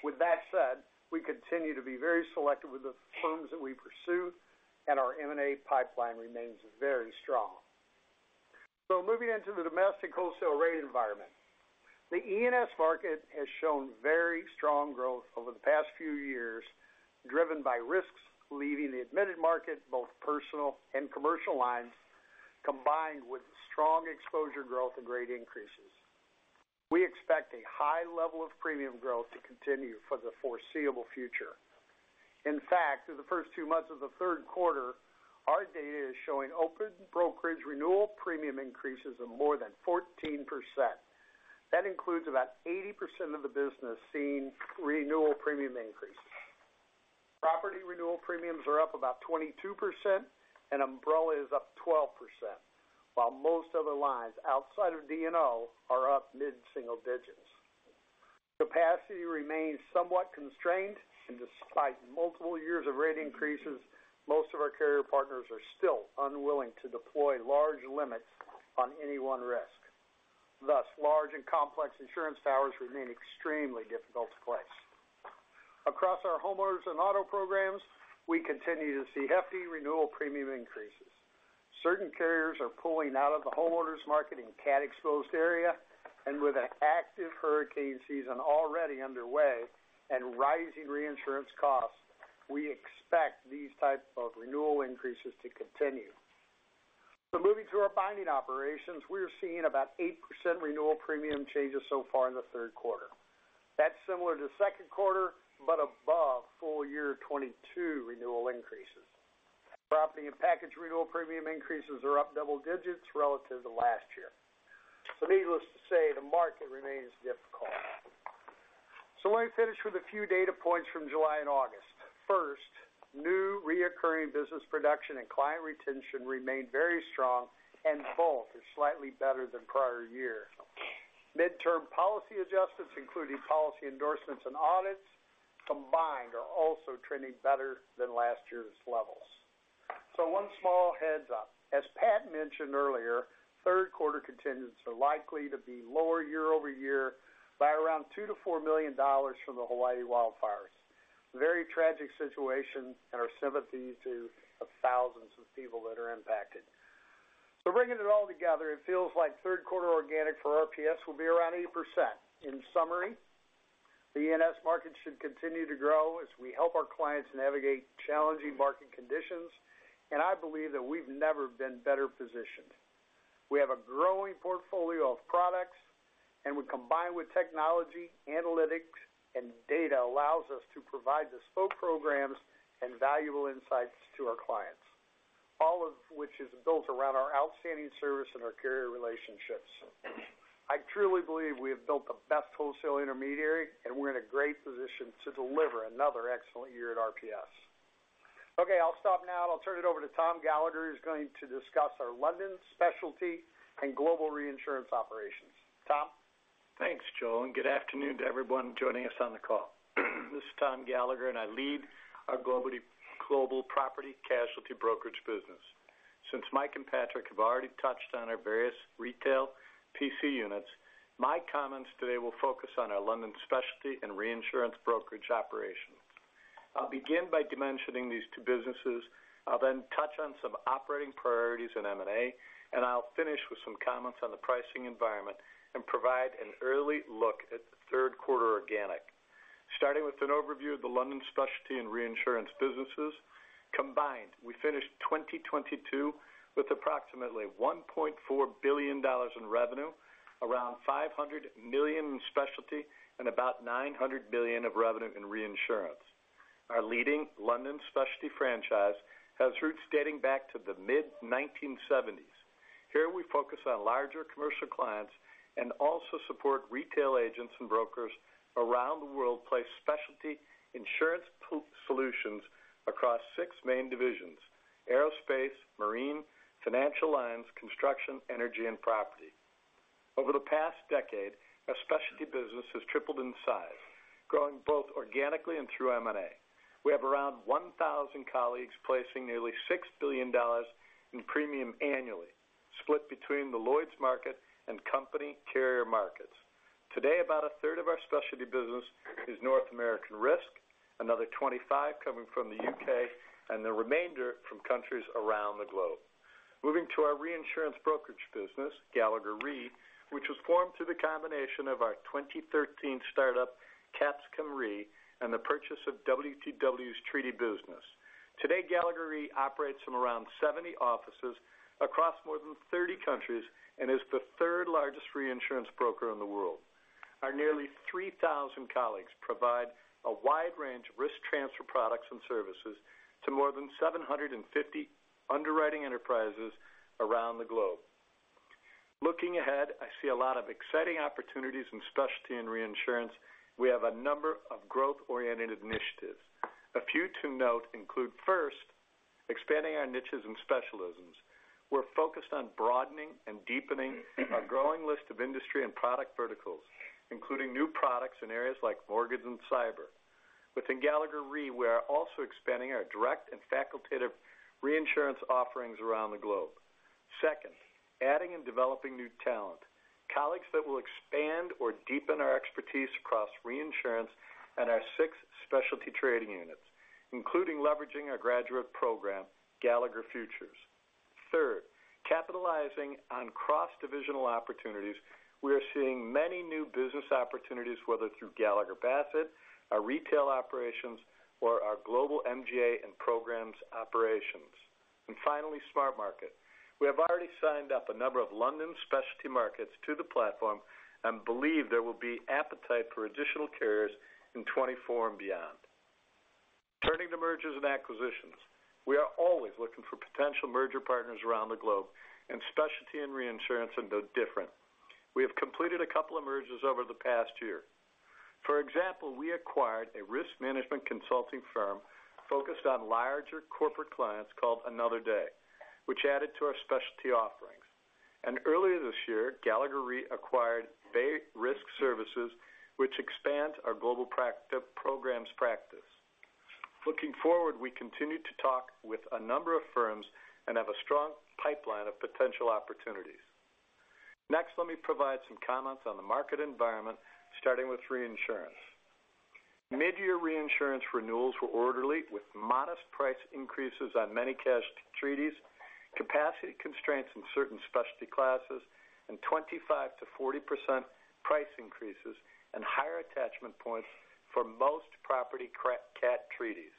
With that said, we continue to be very selective with the firms that we pursue, and our M&A pipeline remains very strong. Moving into the domestic wholesale rate environment. The E&S market has shown very strong growth over the past few years, driven by risks leaving the admitted market, both personal and commercial lines, combined with strong exposure growth and rate increases. We expect a high level of premium growth to continue for the foreseeable future. In fact, through the first two months of the third quarter, our data is showing open brokerage renewal premium increases of more than 14%. That includes about 80% of the business seeing renewal premium increases. Property renewal premiums are up about 22%, and umbrella is up 12%, while most other lines outside of D&O are up mid-single digits. Capacity remains somewhat constrained, and despite multiple years of rate increases, most of our carrier partners are still unwilling to deploy large limits on any one risk. Thus, large and complex insurance towers remain extremely difficult to place. Across our homeowners and auto programs, we continue to see hefty renewal premium increases. Certain carriers are pulling out of the homeowners market in cat-exposed area, and with an active hurricane season already underway and rising reinsurance costs, we expect these types of renewal increases to continue. So moving through our binding operations, we are seeing about 8% renewal premium changes so far in the third quarter. That's similar to second quarter, but above full year 2022 renewal increases. Property and package renewal premium increases are up double digits relative to last year. So needless to say, the market remains difficult. So let me finish with a few data points from July and August. First, new recurring business production and client retention remain very strong, and both are slightly better than prior year. Mid-term policy adjustments, including policy endorsements and audits, combined, are also trending better than last year's levels. So one small heads up. As Pat mentioned earlier, third quarter contingents are likely to be lower year-over-year by around $2 million-$4 million from the Hawaii wildfires. Very tragic situation, and our sympathies to the thousands of people that are impacted. So bringing it all together, it feels like third quarter organic for RPS will be around 8%. In summary, the E&S market should continue to grow as we help our clients navigate challenging market conditions, and I believe that we've never been better positioned. We have a growing portfolio of products, and when combined with technology, analytics, and data, allows us to provide bespoke programs and valuable insights to our clients, all of which is built around our outstanding service and our carrier relationships. I truly believe we have built the best wholesale intermediary, and we're in a great position to deliver another excellent year at RPS. Okay, I'll stop now, and I'll turn it over to Tom Gallagher, who's going to discuss our London specialty and global reinsurance operations. Tom? Thanks, Joe, and good afternoon to everyone joining us on the call. This is Tom Gallagher, and I lead our global property casualty brokerage business. Since Mike and Patrick have already touched on our various retail PC units, my comments today will focus on our London specialty and reinsurance brokerage operation. I'll begin by dimensioning these two businesses, I'll then touch on some operating priorities in M&A, and I'll finish with some comments on the pricing environment and provide an early look at the third quarter organic. Starting with an overview of the London specialty and reinsurance businesses, combined, we finished 2022 with approximately $1.4 billion in revenue, around $500 million in specialty, and about $900 million of revenue in reinsurance. Our leading London specialty franchise has roots dating back to the mid-1970s. Here, we focus on larger commercial clients and also support retail agents and brokers around the world place specialty insurance solutions across six main divisions: aerospace, marine, financial lines, construction, energy, and property. Over the past decade, our specialty business has tripled in size, growing both organically and through M&A. We have around 1,000 colleagues placing nearly $6 billion in premium annually, split between the Lloyd's market and company carrier markets. Today, about a third of our specialty business is North American risk, another 25 coming from the UK, and the remainder from countries around the globe. Moving to our reinsurance brokerage business, Gallagher Re, which was formed through the combination of our 2013 startup, Capsicum Re, and the purchase of WTW's treaty business. Today, Gallagher Re operates from around 70 offices across more than 30 countries and is the third largest reinsurance broker in the world. Our nearly 3,000 colleagues provide a wide range of risk transfer products and services to more than 750 underwriting enterprises around the globe. Looking ahead, I see a lot of exciting opportunities in specialty and reinsurance. We have a number of growth-oriented initiatives. A few to note include, first, expanding our niches and specialisms. We're focused on broadening and deepening our growing list of industry and product verticals, including new products in areas like mortgage and cyber. Within Gallagher Re, we are also expanding our direct and facultative reinsurance offerings around the globe. Second, adding and developing new talent, colleagues that will expand or deepen our expertise across reinsurance and our six specialty trading units, including leveraging our graduate program, Gallagher Futures. Third, capitalizing on cross-divisional opportunities. We are seeing many new business opportunities, whether through Gallagher Bassett, our retail operations, or our global MGA and programs operations. And finally, SmartMarket. We have already signed up a number of London specialty markets to the platform and believe there will be appetite for additional carriers in 2024 and beyond. Turning to mergers and acquisitions, we are always looking for potential merger partners around the globe, and specialty and reinsurance are no different. We have completed a couple of mergers over the past year. For example, we acquired a risk management consulting firm focused on larger corporate clients called AnotherDay, which added to our specialty offerings. And earlier this year, Gallagher Re acquired Bay Risk Services, which expands our global programs practice. Looking forward, we continue to talk with a number of firms and have a strong pipeline of potential opportunities. Next, let me provide some comments on the market environment, starting with reinsurance. Mid-year reinsurance renewals were orderly, with modest price increases on many casualty treaties, capacity constraints in certain specialty classes, and 25%-40% price increases and higher attachment points for most property cat treaties.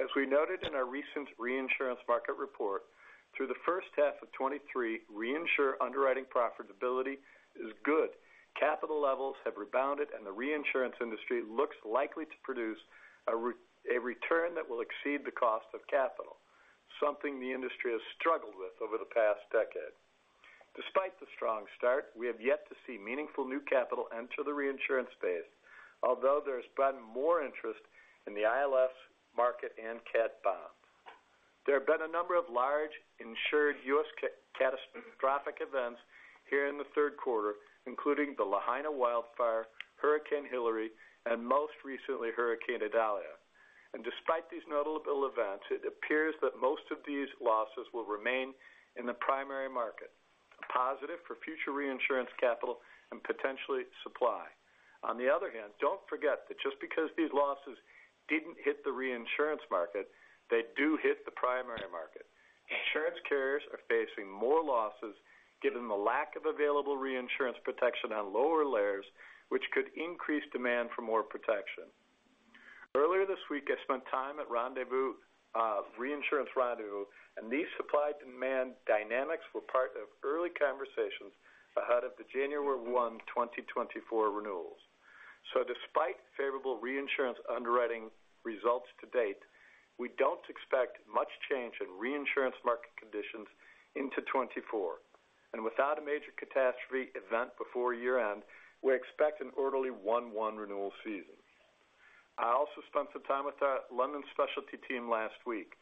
As we noted in our recent reinsurance market report, through the first half of 2023, reinsurer underwriting profitability is good. Capital levels have rebounded, and the reinsurance industry looks likely to produce a return that will exceed the cost of capital, something the industry has struggled with over the past decade. Despite the strong start, we have yet to see meaningful new capital enter the reinsurance space, although there's been more interest in the ILS market and cat bonds. There have been a number of large insured U.S. catastrophic events here in the third quarter, including the Lahaina wildfire, Hurricane Hilary, and most recently, Hurricane Idalia. Despite these notable events, it appears that most of these losses will remain in the primary market, a positive for future reinsurance capital and potentially supply. On the other hand, don't forget that just because these losses didn't hit the reinsurance market, they do hit the primary market. Insurance carriers are facing more losses given the lack of available reinsurance protection on lower layers, which could increase demand for more protection. Earlier this week, I spent time at Rendezvous, Reinsurance Rendezvous, and these supply-demand dynamics were part of early conversations ahead of the January 1, 2024 renewals. Despite favorable reinsurance underwriting results to date, we don't expect much change in reinsurance market conditions into 2024. Without a major catastrophe event before year-end, we expect an orderly 1-1 renewal season. I also spent some time with our London specialty team last week.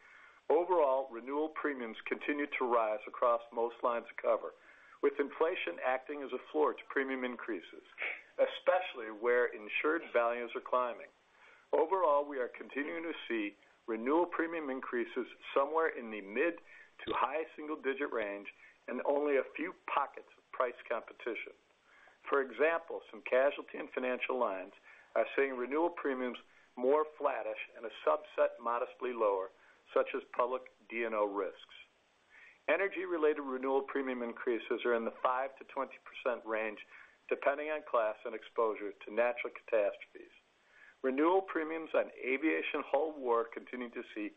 Overall, renewal premiums continued to rise across most lines of cover, with inflation acting as a floor to premium increases, especially where insured values are climbing. Overall, we are continuing to see renewal premium increases somewhere in the mid- to high-single-digit range and only a few pockets of price competition. For example, some casualty and financial lines are seeing renewal premiums more flattish and a subset modestly lower, such as public D&O risks. Energy-related renewal premium increases are in the 5%-20% range, depending on class and exposure to natural catastrophes. Renewal premiums on aviation hull war continue to see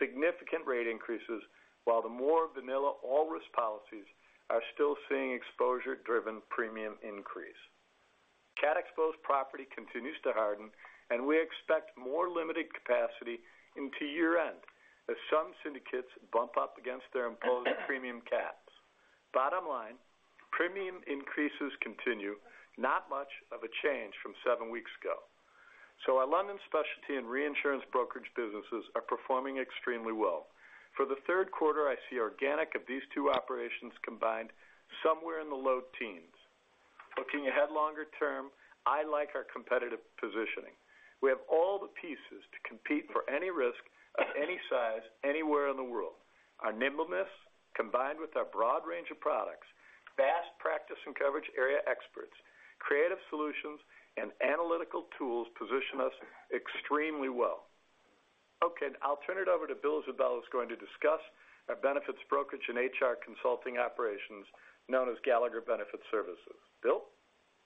significant rate increases, while the more vanilla all-risk policies are still seeing exposure-driven premium increase. Cat-exposed property continues to harden, and we expect more limited capacity into year-end as some syndicates bump up against their imposed premium caps. Bottom line, premium increases continue, not much of a change from seven weeks ago. So our London specialty and reinsurance brokerage businesses are performing extremely well. For the third quarter, I see organic of these two operations combined somewhere in the low teens. Looking ahead longer term, I like our competitive positioning. We have all the pieces to compete for any risk of any size, anywhere in the world. Our nimbleness, combined with our broad range of products, vast practice and coverage area experts, creative solutions, and analytical tools position us extremely well. Okay, I'll turn it over to Bill Zabel, who's going to discuss our benefits brokerage and HR consulting operations, known as Gallagher Benefit Services. Bill?...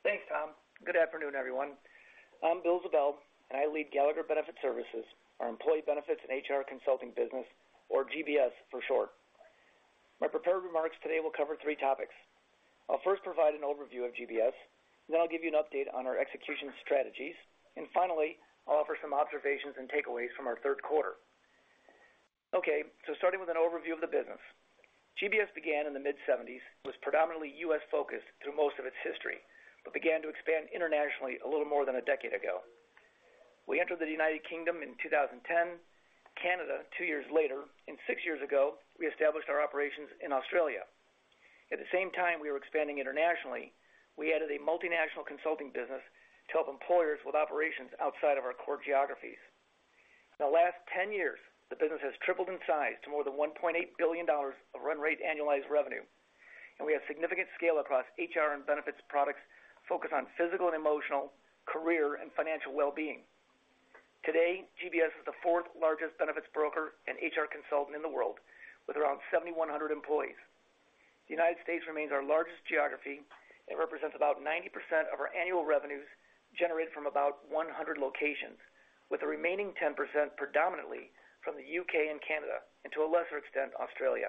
Thanks, Tom. Good afternoon, everyone. I'm Bill Zabel, and I lead Gallagher Benefit Services, our employee benefits and HR consulting business, or GBS for short. My prepared remarks today will cover three topics. I'll first provide an overview of GBS, and then I'll give you an update on our execution strategies, and finally, I'll offer some observations and takeaways from our third quarter. Okay, so starting with an overview of the business. GBS began in the mid-1970s, was predominantly U.S.-focused through most of its history, but began to expand internationally a little more than a decade ago. We entered the United Kingdom in 2010, Canada two years later, and six years ago, we established our operations in Australia. At the same time we were expanding internationally, we added a multinational consulting business to help employers with operations outside of our core geographies. In the last 10 years, the business has tripled in size to more than $1.8 billion of run rate annualized revenue, and we have significant scale across HR and benefits products focused on physical and emotional, career, and financial well-being. Today, GBS is the fourth largest benefits broker and HR consultant in the world, with around 7,100 employees. The United States remains our largest geography and represents about 90% of our annual revenues generated from about 100 locations, with the remaining 10% predominantly from the UK and Canada, and to a lesser extent, Australia.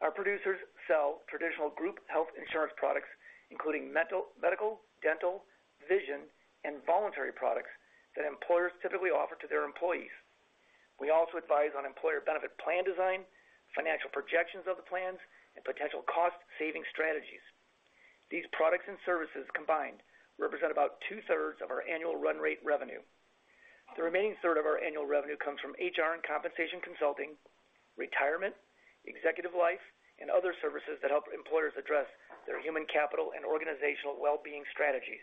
Our producers sell traditional group health insurance products, including medical, dental, vision, and voluntary products that employers typically offer to their employees. We also advise on employer benefit plan design, financial projections of the plans, and potential cost-saving strategies. These products and services combined represent about two-thirds of our annual run rate revenue. The remaining third of our annual revenue comes from HR and compensation consulting, retirement, executive life, and other services that help employers address their human capital and organizational well-being strategies.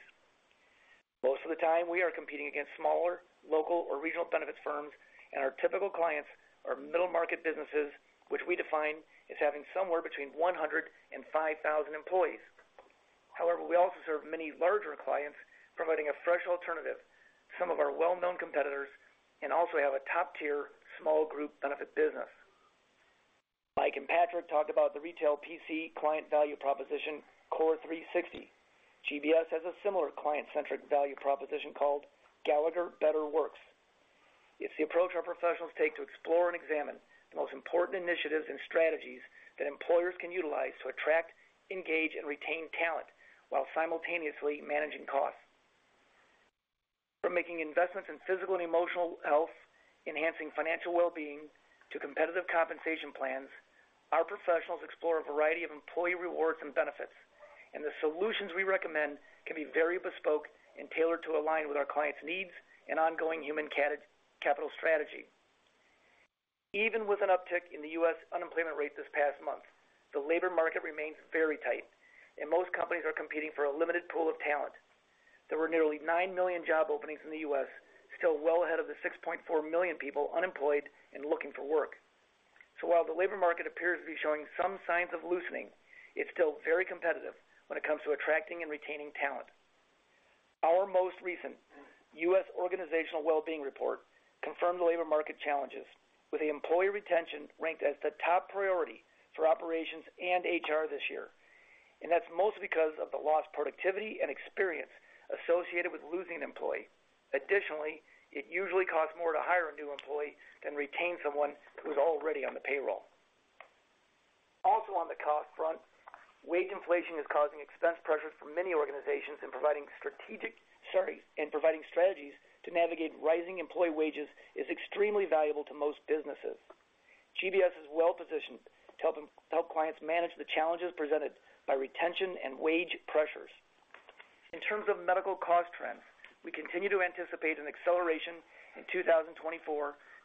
Most of the time, we are competing against smaller, local, or regional benefits firms, and our typical clients are middle-market businesses, which we define as having somewhere between 100 and 5,000 employees. However, we also serve many larger clients, providing a fresh alternative to some of our well-known competitors, and also have a top-tier small group benefit business. Mike and Patrick talked about the retail PC client value proposition, CORE360. GBS has a similar client-centric value proposition called Gallagher Better Works. It's the approach our professionals take to explore and examine the most important initiatives and strategies that employers can utilize to attract, engage, and retain talent while simultaneously managing costs. From making investments in physical and emotional health, enhancing financial well-being, to competitive compensation plans, our professionals explore a variety of employee rewards and benefits, and the solutions we recommend can be very bespoke and tailored to align with our clients' needs and ongoing human capital strategy. Even with an uptick in the U.S. unemployment rate this past month, the labor market remains very tight, and most companies are competing for a limited pool of talent. There were nearly 9 million job openings in the U.S., still well ahead of the 6.4 million people unemployed and looking for work. So while the labor market appears to be showing some signs of loosening, it's still very competitive when it comes to attracting and retaining talent. Our most recent U.S. Organizational Well-being Report confirmed the labor market challenges, with the employee retention ranked as the top priority for operations and HR this year, and that's mostly because of the lost productivity and experience associated with losing an employee. Additionally, it usually costs more to hire a new employee than retain someone who's already on the payroll. Also, on the cost front, wage inflation is causing expense pressures for many organizations, and providing strategic, sorry, and providing strategies to navigate rising employee wages is extremely valuable to most businesses. GBS is well-positioned to help, help clients manage the challenges presented by retention and wage pressures. In terms of medical cost trends, we continue to anticipate an acceleration in 2024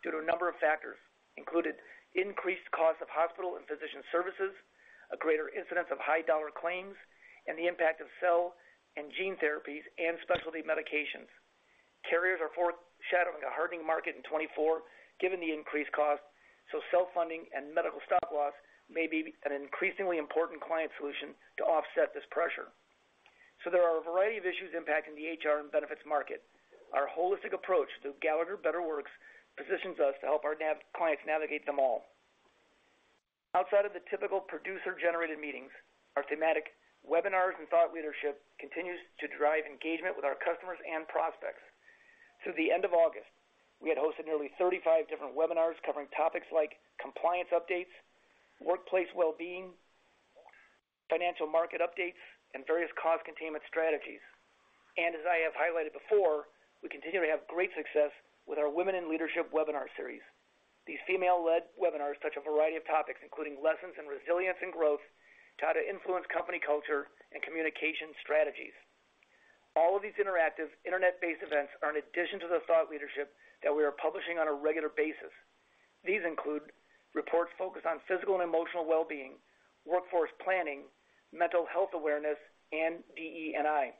due to a number of factors, including increased costs of hospital and physician services, a greater incidence of high dollar claims, and the impact of cell and gene therapies and specialty medications. Carriers are foreshadowing a hardening market in 2024, given the increased cost, so self-funding and medical stop-loss may be an increasingly important client solution to offset this pressure. There are a variety of issues impacting the HR and benefits market. Our holistic approach to Gallagher Better Works positions us to help our clients navigate them all. Outside of the typical producer-generated meetings, our thematic webinars and thought leadership continues to drive engagement with our customers and prospects. Through the end of August, we had hosted nearly 35 different webinars covering topics like compliance updates, workplace well-being, financial market updates, and various cost containment strategies. As I have highlighted before, we continue to have great success with our Women in Leadership webinar series. These female-led webinars touch a variety of topics, including lessons in resilience and growth, to how to influence company culture and communication strategies. All of these interactive, internet-based events are in addition to the thought leadership that we are publishing on a regular basis. These include reports focused on physical and emotional well-being, workforce planning, mental health awareness, and DE&I.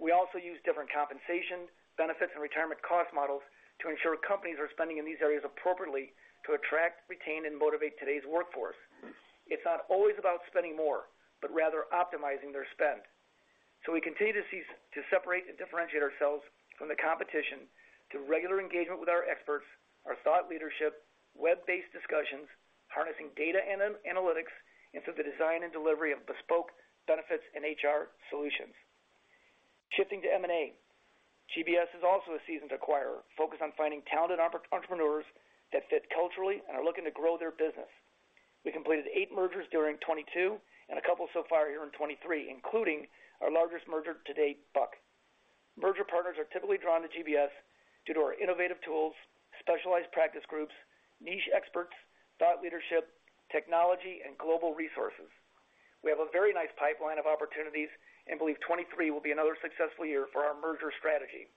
We also use different compensation, benefits, and retirement cost models to ensure companies are spending in these areas appropriately to attract, retain, and motivate today's workforce. It's not always about spending more, but rather optimizing their spend. So we continue to separate and differentiate ourselves from the competition through regular engagement with our experts, our thought leadership, web-based discussions, harnessing data and analytics into the design and delivery of bespoke benefits and HR solutions. Shifting to M&A, GBS is also a seasoned acquirer, focused on finding talented entrepreneurs that fit culturally and are looking to grow their business. We completed eight mergers during 2022 and a couple so far here in 2023, including our largest merger to date, Buck. Merger partners are typically drawn to GBS due to our innovative tools, specialized practice groups, niche experts, thought leadership, technology, and global resources. We have a very nice pipeline of opportunities and believe 2023 will be another successful year for our merger strategy.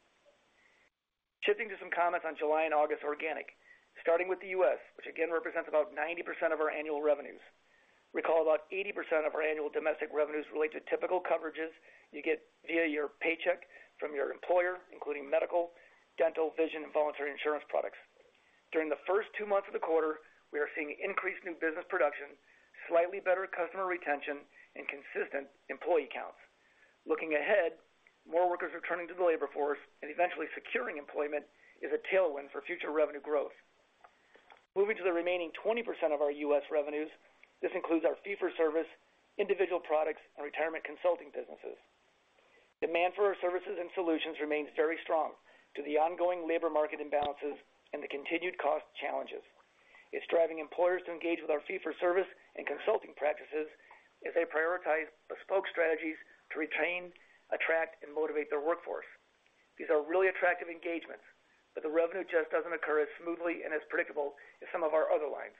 Shifting to some comments on July and August organic, starting with the U.S., which again, represents about 90% of our annual revenues. Recall about 80% of our annual domestic revenues relate to typical coverages you get via your paycheck from your employer, including medical, dental, vision, and voluntary insurance products. During the first two months of the quarter, we are seeing increased new business production, slightly better customer retention, and consistent employee counts. Looking ahead, more workers are turning to the labor force, and eventually, securing employment is a tailwind for future revenue growth. Moving to the remaining 20% of our U.S. revenues, this includes our fee-for-service, individual products, and retirement consulting businesses. Demand for our services and solutions remains very strong due to the ongoing labor market imbalances and the continued cost challenges. It's driving employers to engage with our fee-for-service and consulting practices as they prioritize bespoke strategies to retain, attract, and motivate their workforce. These are really attractive engagements, but the revenue just doesn't occur as smoothly and as predictable as some of our other lines.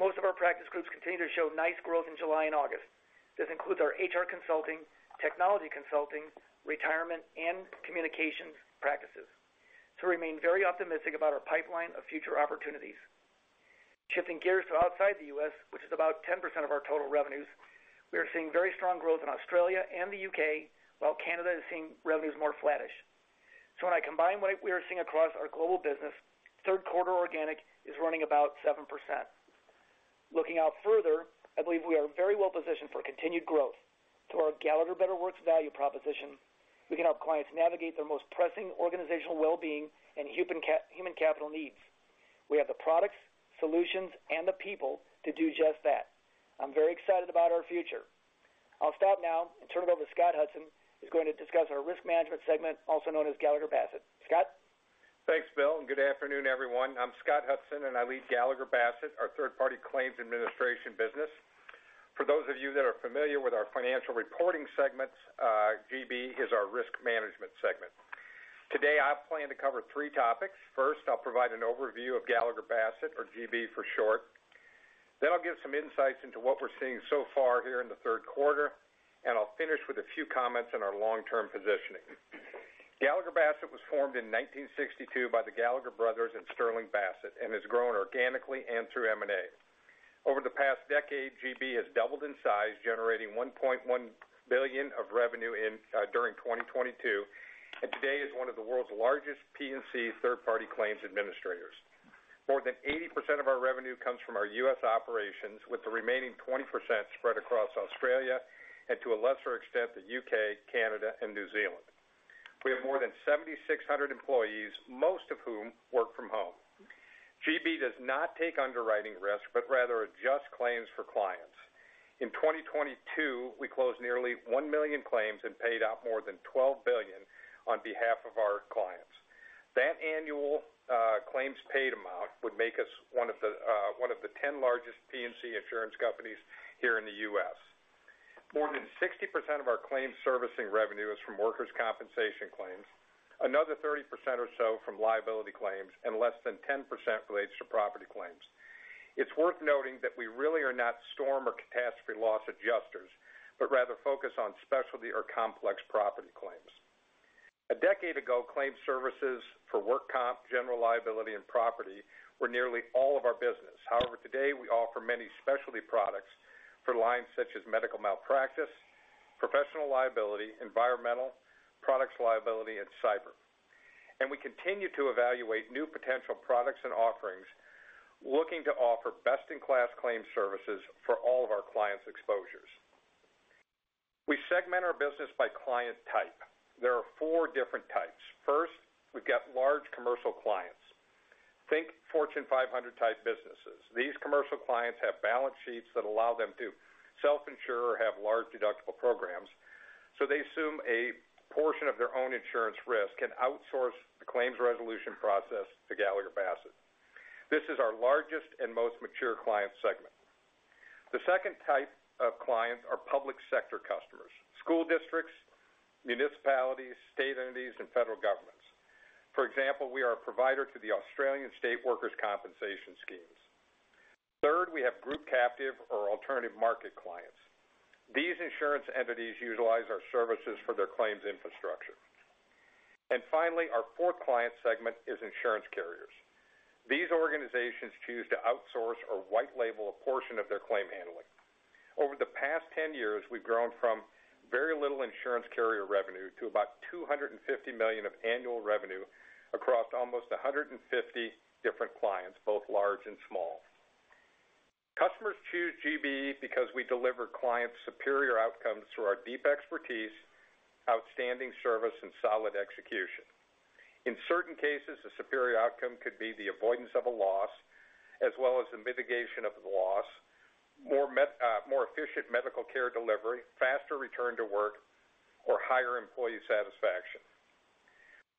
Most of our practice groups continue to show nice growth in July and August. This includes our HR consulting, technology consulting, retirement, and communications practices. So we remain very optimistic about our pipeline of future opportunities. Shifting gears to outside the U.S., which is about 10% of our total revenues, we are seeing very strong growth in Australia and the U.K., while Canada is seeing revenues more flattish. So when I combine what we are seeing across our global business, third quarter organic is running about 7%. Looking out further, I believe we are very well positioned for continued growth. Through our Gallagher Better Works value proposition, we can help clients navigate their most pressing organizational well-being and human capital needs. We have the products, solutions, and the people to do just that. I'm very excited about our future. I'll stop now and turn it over to Scott Hudson, who's going to discuss our risk management segment, also known as Gallagher Bassett. Scott? Thanks, Bill, and good afternoon, everyone. I'm Scott Hudson, and I lead Gallagher Bassett, our third-party claims administration business. For those of you that are familiar with our financial reporting segments, GB is our risk management segment. Today, I plan to cover three topics. First, I'll provide an overview of Gallagher Bassett, or GB for short. Then I'll give some insights into what we're seeing so far here in the third quarter, and I'll finish with a few comments on our long-term positioning. Gallagher Bassett was formed in 1962 by the Gallagher brothers and Sterling Bassett, and has grown organically and through M&A. Over the past decade, GB has doubled in size, generating $1.1 billion of revenue in during 2022, and today is one of the world's largest P&C third-party claims administrators. More than 80% of our revenue comes from our U.S. operations, with the remaining 20% spread across Australia, and to a lesser extent, the U.K., Canada, and New Zealand. We have more than 7,600 employees, most of whom work from home. GB does not take underwriting risk, but rather adjust claims for clients. In 2022, we closed nearly 1 million claims and paid out more than $12 billion on behalf of our clients. That annual claims paid amount would make us one of the one of the 10 largest P&C insurance companies here in the U.S. More than 60% of our claims servicing revenue is from workers' compensation claims, another 30% or so from liability claims, and less than 10% relates to property claims. It's worth noting that we really are not storm or catastrophe loss adjusters, but rather focus on specialty or complex property claims. A decade ago, claims services for work comp, general liability, and property were nearly all of our business. However, today, we offer many specialty products for lines such as medical malpractice, professional liability, environmental, products liability, and cyber. And we continue to evaluate new potential products and offerings, looking to offer best-in-class claims services for all of our clients' exposures. We segment our business by client type. There are four different types. First, we've got large commercial clients. Think Fortune 500-type businesses. These commercial clients have balance sheets that allow them to self-insure or have large deductible programs, so they assume a portion of their own insurance risk and outsource the claims resolution process to Gallagher Bassett. This is our largest and most mature client segment. The second type of clients are public sector customers, school districts, municipalities, state entities, and federal governments. For example, we are a provider to the Australian State Workers' Compensation Schemes. Third, we have group captive or alternative market clients. These insurance entities utilize our services for their claims infrastructure. And finally, our fourth client segment is insurance carriers. These organizations choose to outsource or white label a portion of their claim handling. Over the past 10 years, we've grown from very little insurance carrier revenue to about $250 million of annual revenue across almost 150 different clients, both large and small. Customers choose GB because we deliver clients superior outcomes through our deep expertise, outstanding service, and solid execution.... In certain cases, a superior outcome could be the avoidance of a loss, as well as the mitigation of the loss, more efficient medical care delivery, faster return to work, or higher employee satisfaction.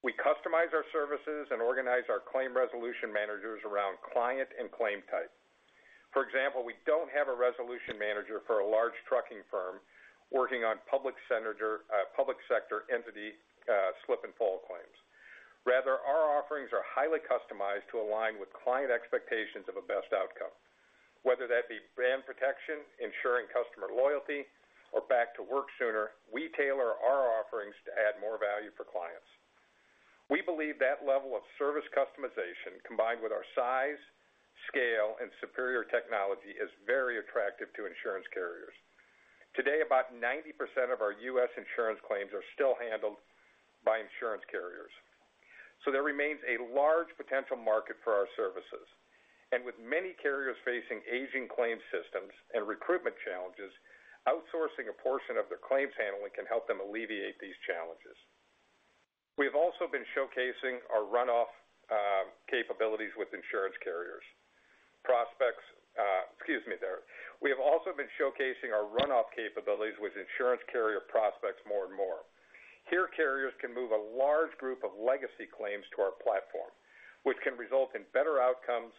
We customize our services and organize our claim resolution managers around client and claim type. For example, we don't have a resolution manager for a large trucking firm working on public sector entity, slip and fall claims. Rather, our offerings are highly customized to align with client expectations of a best outcome, whether that be brand protection, ensuring customer loyalty, or back to work sooner. We tailor our offerings to add more value for clients. We believe that level of service customization, combined with our size, scale, and superior technology, is very attractive to insurance carriers. Today, about 90% of our U.S. insurance claims are still handled by insurance carriers, so there remains a large potential market for our services. With many carriers facing aging claim systems and recruitment challenges, outsourcing a portion of their claims handling can help them alleviate these challenges. We have also been showcasing our runoff capabilities with insurance carrier prospects more and more. Here, carriers can move a large group of legacy claims to our platform, which can result in better outcomes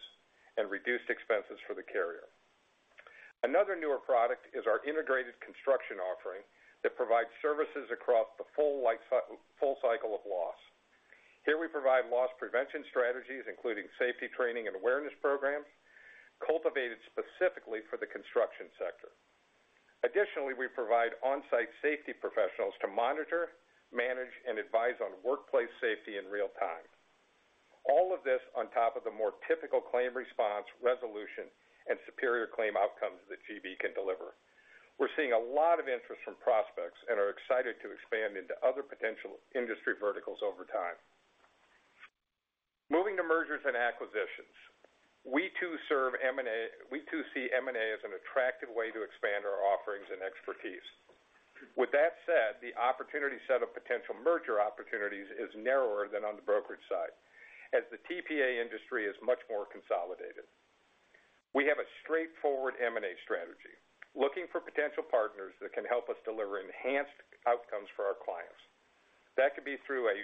and reduced expenses for the carrier. Another newer product is our integrated construction offering that provides services across the full cycle of loss. Here, we provide loss prevention strategies, including safety training and awareness programs, cultivated specifically for the construction sector. Additionally, we provide on-site safety professionals to monitor, manage, and advise on workplace safety in real time. All of this on top of the more typical claim response, resolution, and superior claim outcomes that GB can deliver. We're seeing a lot of interest from prospects and are excited to expand into other potential industry verticals over time. Moving to mergers and acquisitions, we too see M&A as an attractive way to expand our offerings and expertise. With that said, the opportunity set of potential merger opportunities is narrower than on the brokerage side, as the TPA industry is much more consolidated. We have a straightforward M&A strategy, looking for potential partners that can help us deliver enhanced outcomes for our clients. That could be through a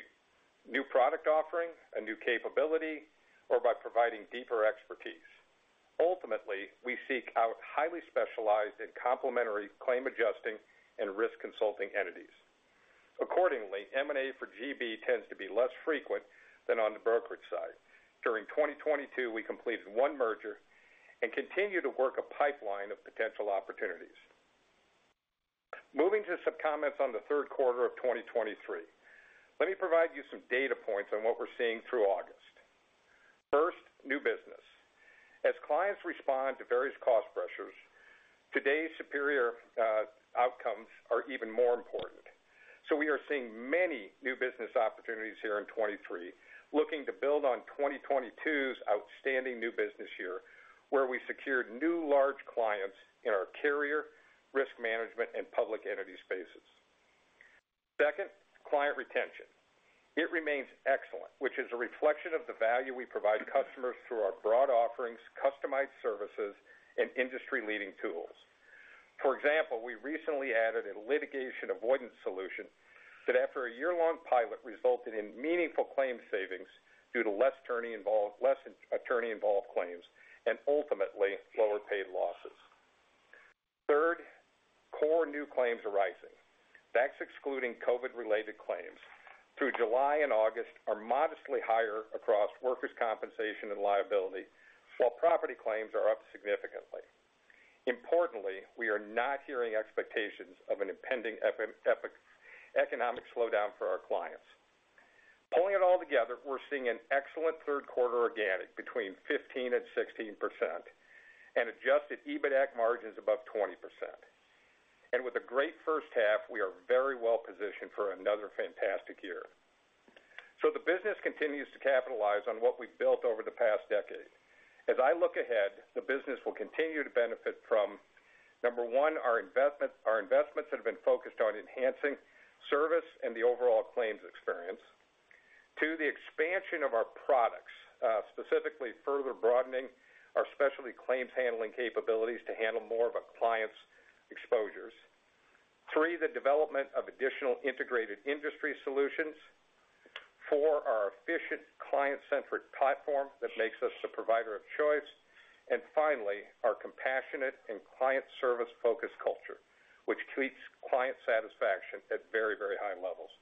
new product offering, a new capability, or by providing deeper expertise. Ultimately, we seek out highly specialized and complementary claim adjusting and risk consulting entities. Accordingly, M&A for GB tends to be less frequent than on the brokerage side. During 2022, we completed one merger and continue to work a pipeline of potential opportunities. Moving to some comments on the third quarter of 2023. Let me provide you some data points on what we're seeing through August. First, new business. As clients respond to various cost pressures, today's superior outcomes are even more important. So we are seeing many new business opportunities here in 2023, looking to build on 2022's outstanding new business year, where we secured new large clients in our carrier, risk management, and public entity spaces. Second, client retention. It remains excellent, which is a reflection of the value we provide customers through our broad offerings, customized services, and industry-leading tools. For example, we recently added a litigation avoidance solution that, after a year-long pilot, resulted in meaningful claim savings due to less attorney-involved claims and ultimately, lower paid losses. Third, core new claims are rising. That's excluding COVID-related claims, through July and August, are modestly higher across workers' compensation and liability, while property claims are up significantly. Importantly, we are not hearing expectations of an impending economic slowdown for our clients. Pulling it all together, we're seeing an excellent third quarter organic between 15% and 16% and adjusted EBITDAC margins above 20%. With a great first half, we are very well positioned for another fantastic year. The business continues to capitalize on what we've built over the past decade. As I look ahead, the business will continue to benefit from, number one, our investment, our investments that have been focused on enhancing service and the overall claims experience. Two, the expansion of our products, specifically further broadening our specialty claims handling capabilities to handle more of a client's exposures. Three, the development of additional integrated industry solutions. Four, our efficient client-centric platform that makes us the provider of choice. And finally, our compassionate and client service-focused culture, which treats client satisfaction at very, very high levels.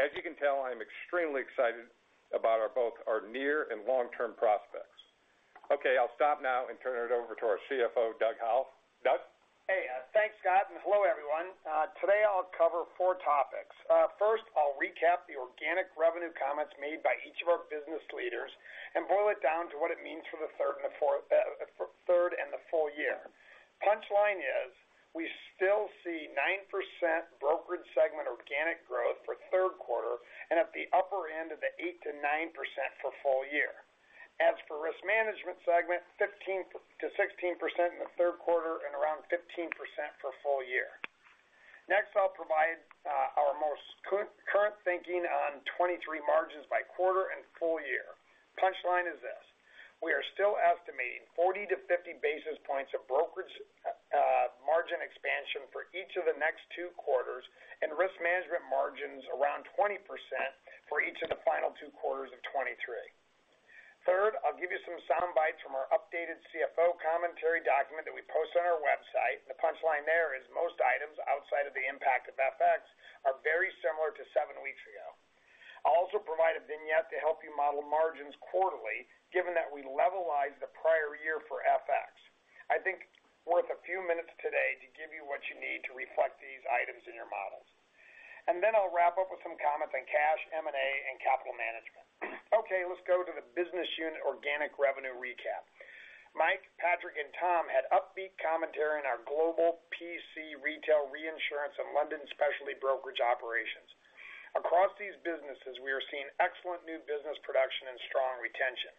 As you can tell, I am extremely excited about our both our near and long-term prospects. Okay, I'll stop now and turn it over to our CFO, Doug Howell. Doug? Hey, thanks, Scott, and hello, everyone. Today, I'll cover 4 topics. First, I'll recap the organic revenue comments made by each of our business leaders and boil it down to what it means for the third and the fourth, third and the full year. Punchline is, we still see 9% brokerage segment organic growth for third quarter and at the upper end of the 8%-9% for full year. As for risk management segment, 15%-16% in the third quarter and around 15% for full year. Next, I'll provide our most current thinking on 2023 margins by quarter and full year. Punchline is this: we are still estimating 40-50 basis points of brokerage margin expansion for each of the next two quarters, and risk management margins around 20% for each of the final two quarters of 2023. Third, I'll give you some soundbites from our updated CFO commentary document that we post on our website. The punchline there is most items outside of the impact of FX are very similar to 7 weeks ago. I'll also provide a vignette to help you model margins quarterly, given that we levelized the prior year for FX. I think worth a few minutes today to give you what you need to reflect these items in your models. And then I'll wrap up with some comments on cash, M&A, and capital management. Okay, let's go to the business unit organic revenue recap. Mike, Patrick, and Tom had upbeat commentary on our global PC, retail, reinsurance, and London specialty brokerage operations. Across these businesses, we are seeing excellent new business production and strong retention.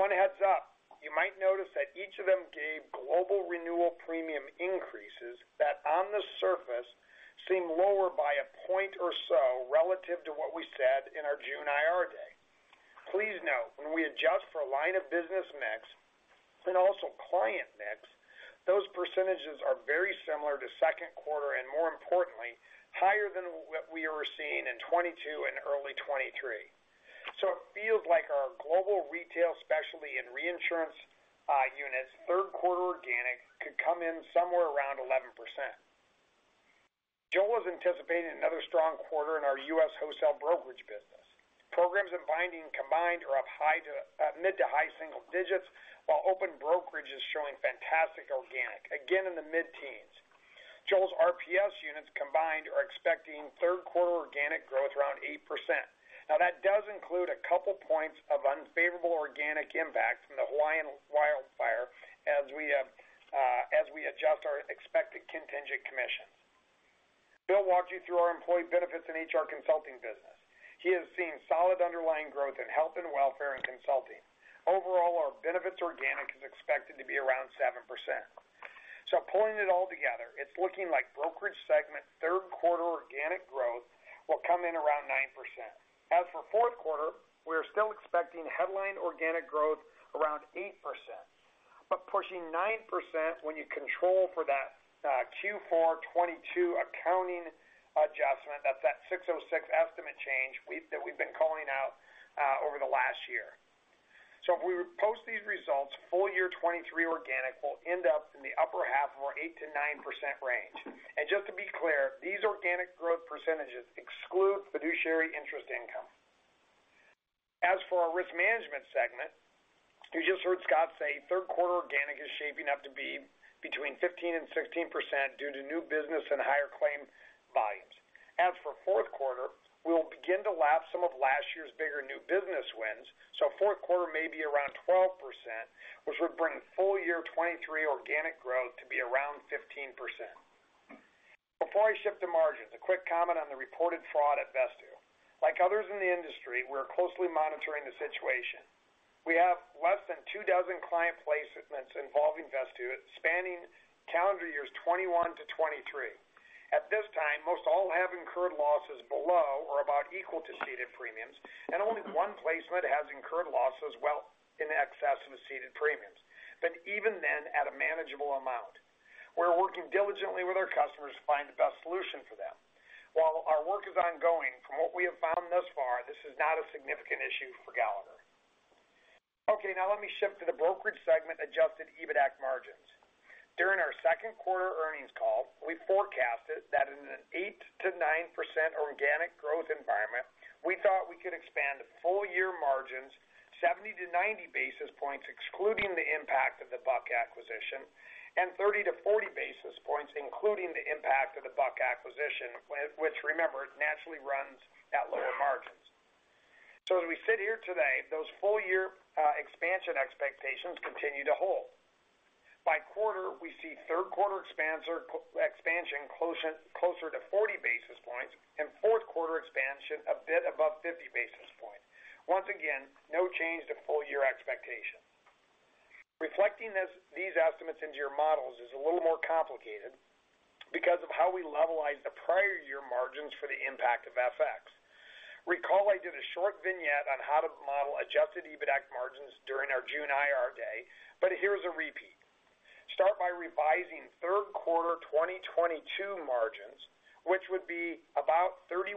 One heads up, you might notice that each of them gave global renewal premium increases that, on the surface, seem lower by a point or so relative to what we said in our June IR day. Please note, when we adjust for line of business mix and also client mix, those percentages are very similar to second quarter, and more importantly, higher than what we were seeing in '22 and early '23. So it feels like our global retail specialty and reinsurance units' third quarter organic could come in somewhere around 11%. Joe was anticipating another strong quarter in our U.S. wholesale brokerage business. Programs and binding combined are up high to mid to high single digits, while open brokerage is showing fantastic organic, again, in the mid-teens. Joe's RPS units combined are expecting third quarter organic growth around 8%. Now, that does include a couple points of unfavorable organic impact from the Hawaiian wildfire as we adjust our expected contingent commissions. Bill walked you through our employee benefits and HR consulting business. He has seen solid underlying growth in health and welfare and consulting. Overall, our benefits organic is expected to be around 7%. So pulling it all together, it's looking like brokerage segment third quarter organic growth will come in around 9%. As for fourth quarter, we are still expecting headline organic growth around 8%, but pushing 9% when you control for that Q4 2022 accounting adjustment. That's that 606 estimate change that we've been calling out over the last year. So if we post these results, full year 2023 organic will end up in the upper half of our 8%-9% range. And just to be clear, these organic growth percentages exclude fiduciary interest income. As for our risk management segment, you just heard Scott say third quarter organic is shaping up to be between 15% and 16% due to new business and higher claim volumes. As for fourth quarter, we will begin to lap some of last year's bigger new business wins, so fourth quarter may be around 12%, which would bring full year 2023 organic growth to be around 15%. Before I shift to margins, a quick comment on the reported fraud at Vesttoo. Like others in the industry, we are closely monitoring the situation. We have less than two dozen client placements involving Vesttoo, spanning calendar years 2021 to 2023. At this time, most all have incurred losses below or about equal to ceded premiums, and only one placement has incurred losses well in excess of the ceded premiums, but even then, at a manageable amount. We're working diligently with our customers to find the best solution for them. While our work is ongoing, from what we have found thus far, this is not a significant issue for Gallagher. Okay, now let me shift to the brokerage segment adjusted EBITDA margins. During our second quarter earnings call, we forecasted that in an 8%-9% organic growth environment, we thought we could expand full year margins 70-90 basis points, excluding the impact of the Buck acquisition, and 30-40 basis points, including the impact of the Buck acquisition, which, remember, naturally runs at lower margins. So as we sit here today, those full year expansion expectations continue to hold. By quarter, we see third quarter expansion closer, closer to 40 basis points and fourth quarter expansion a bit above 50 basis points. Once again, no change to full year expectations. Reflecting these estimates into your models is a little more complicated because of how we levelize the prior year margins for the impact of FX. Recall, I did a short vignette on how to model adjusted EBITDA margins during our June IR day, but here's a repeat. Start by revising third quarter 2022 margins, which would be about 31.7%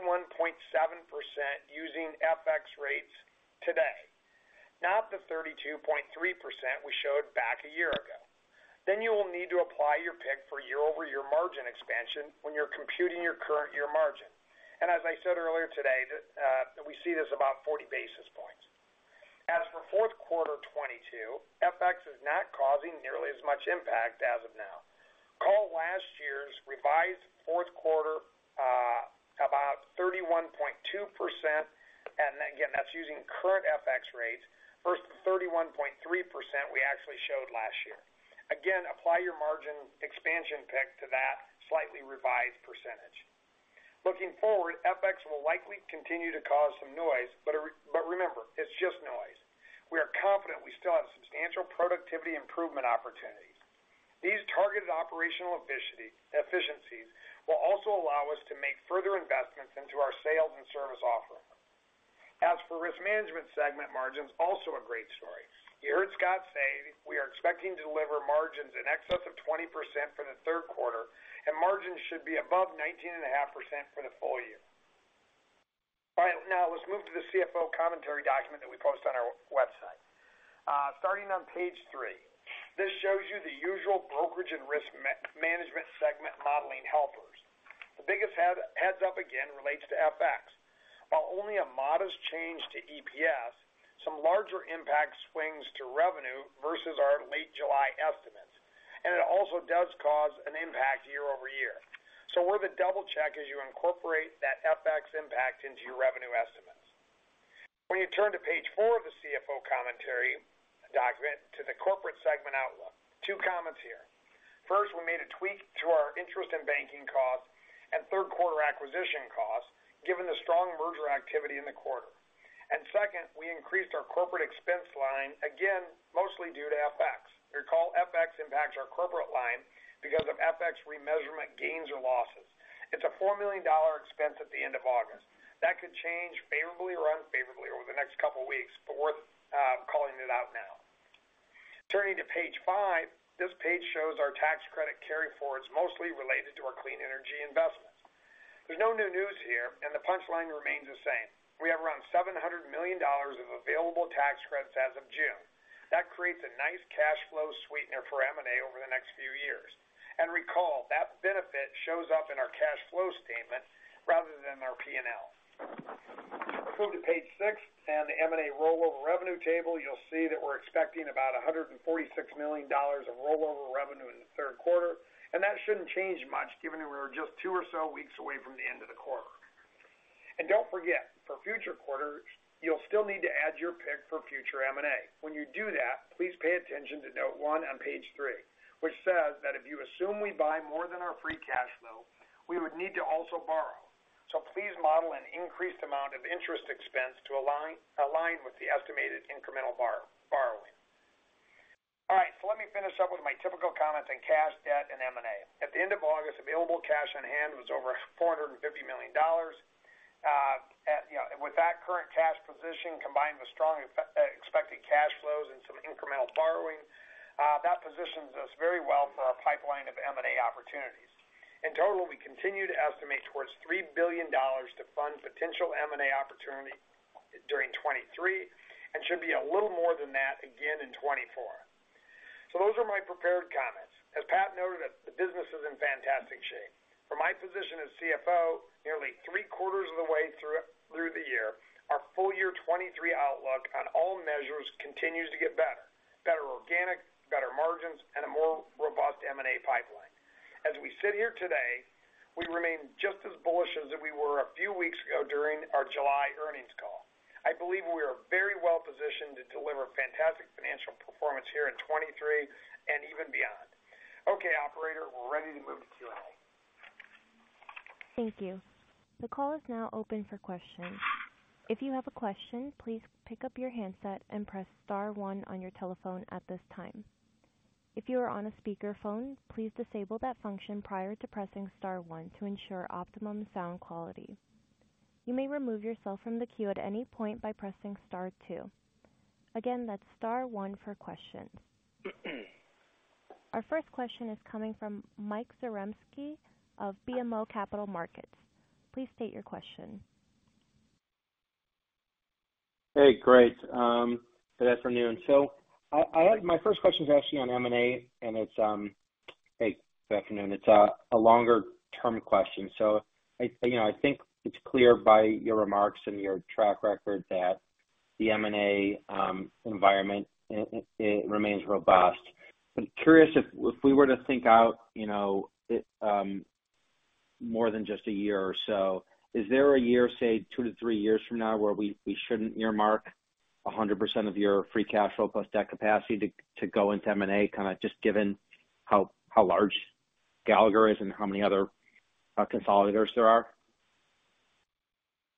using FX rates today, not the 32.3% we showed back a year ago. Then you will need to apply your pick for year-over-year margin expansion when you're computing your current year margin. And as I said earlier today, that, that we see this about 40 basis points. As for fourth quarter 2022, FX is not causing nearly as much impact as of now. Call last year's revised fourth quarter, about 31.2%, and again, that's using current FX rates, versus the 31.3% we actually showed last year. Again, apply your margin expansion pick to that slightly revised percentage. Looking forward, FX will likely continue to cause some noise, but remember, it's just noise. We are confident we still have substantial productivity improvement opportunities. These targeted operational efficiencies will also allow us to make further investments into our sales and service offering. As for risk management segment margins, also a great story. You heard Scott say, we are expecting to deliver margins in excess of 20% for the third quarter, and margins should be above 19.5% for the full year. All right, now let's move to the CFO commentary document that we post on our website. Starting on page 3, this shows you the usual brokerage and risk management segment modeling helpers. The biggest heads up again relates to FX. While only a modest change to EPS, some larger impact swings to revenue versus our late July estimates, and it also does cause an impact year over year. So worth a double check as you incorporate that FX impact into your revenue estimates. When you turn to page 4 of the CFO commentary document to the corporate segment outlook, two comments here. First, we made a tweak to our interest and banking costs and third quarter acquisition costs, given the strong merger activity in the quarter. And second, we increased our corporate expense line, again, mostly due to FX. Recall, FX impacts our corporate line because of FX remeasurement gains or losses. It's a $4 million expense at the end of August. That could change favorably or unfavorably over the next couple of weeks, but worth calling it out now. Turning to page five, this page shows our tax credit carry forwards, mostly related to our clean energy investments. There's no new news here, and the punchline remains the same. We have around $700 million of available tax credits as of June. That creates a nice cash flow sweetener for M&A over the next few years. And recall, that benefit shows up in our cash flow statement rather than our P&L. Flip to page six and the M&A rollover revenue table, you'll see that we're expecting about $146 million of rollover revenue in the third quarter, and that shouldn't change much given we're just two or so weeks away from the end of the quarter. And don't forget, for future quarters, you'll still need to add your pick for future M&A. When you do that, please pay attention to note 1 on page 3, which says that if you assume we buy more than our free cash flow, we would need to also borrow. So please model an increased amount of interest expense to align with the estimated incremental borrowing. All right, so let me finish up with my typical comments on cash, debt, and M&A. At the end of August, available cash on hand was over $450 million. You know, with that current cash position, combined with strong expected cash flows and some incremental borrowing, that positions us very well for our pipeline of M&A opportunities. In total, we continue to estimate towards $3 billion to fund potential M&A opportunity during 2023, and should be a little more than that again in 2024. So those are my prepared comments. As Pat noted, the business is in fantastic shape. From my position as CFO, nearly three quarters of the way through, through the year, our full year 2023 outlook on all measures continues to get better: better organic, better margins, and a more robust M&A pipeline. As we sit here today, we remain just as bullish as we were a few weeks ago during our July earnings call. I believe we are very well positioned to deliver fantastic financial performance here in 2023 and even beyond. Okay, operator, we're ready to move to Q&A. Thank you. The call is now open for questions. If you have a question, please pick up your handset and press star one on your telephone at this time. If you are on a speakerphone, please disable that function prior to pressing star one to ensure optimum sound quality. You may remove yourself from the queue at any point by pressing star two. Again, that's star one for questions. Our first question is coming from Mike Zaremski of BMO Capital Markets. Please state your question. Hey, great, good afternoon. So my first question is actually on M&A, and it's... Hey, good afternoon. It's a longer-term question. So, you know, I think it's clear by your remarks and your track record that the M&A environment, it remains robust. I'm curious if we were to think out, you know, more than just a year or so, is there a year, say, two to three years from now, where we shouldn't earmark 100% of your free cash flow plus debt capacity to go into M&A, kind of just given how large Gallagher is and how many other consolidators there are?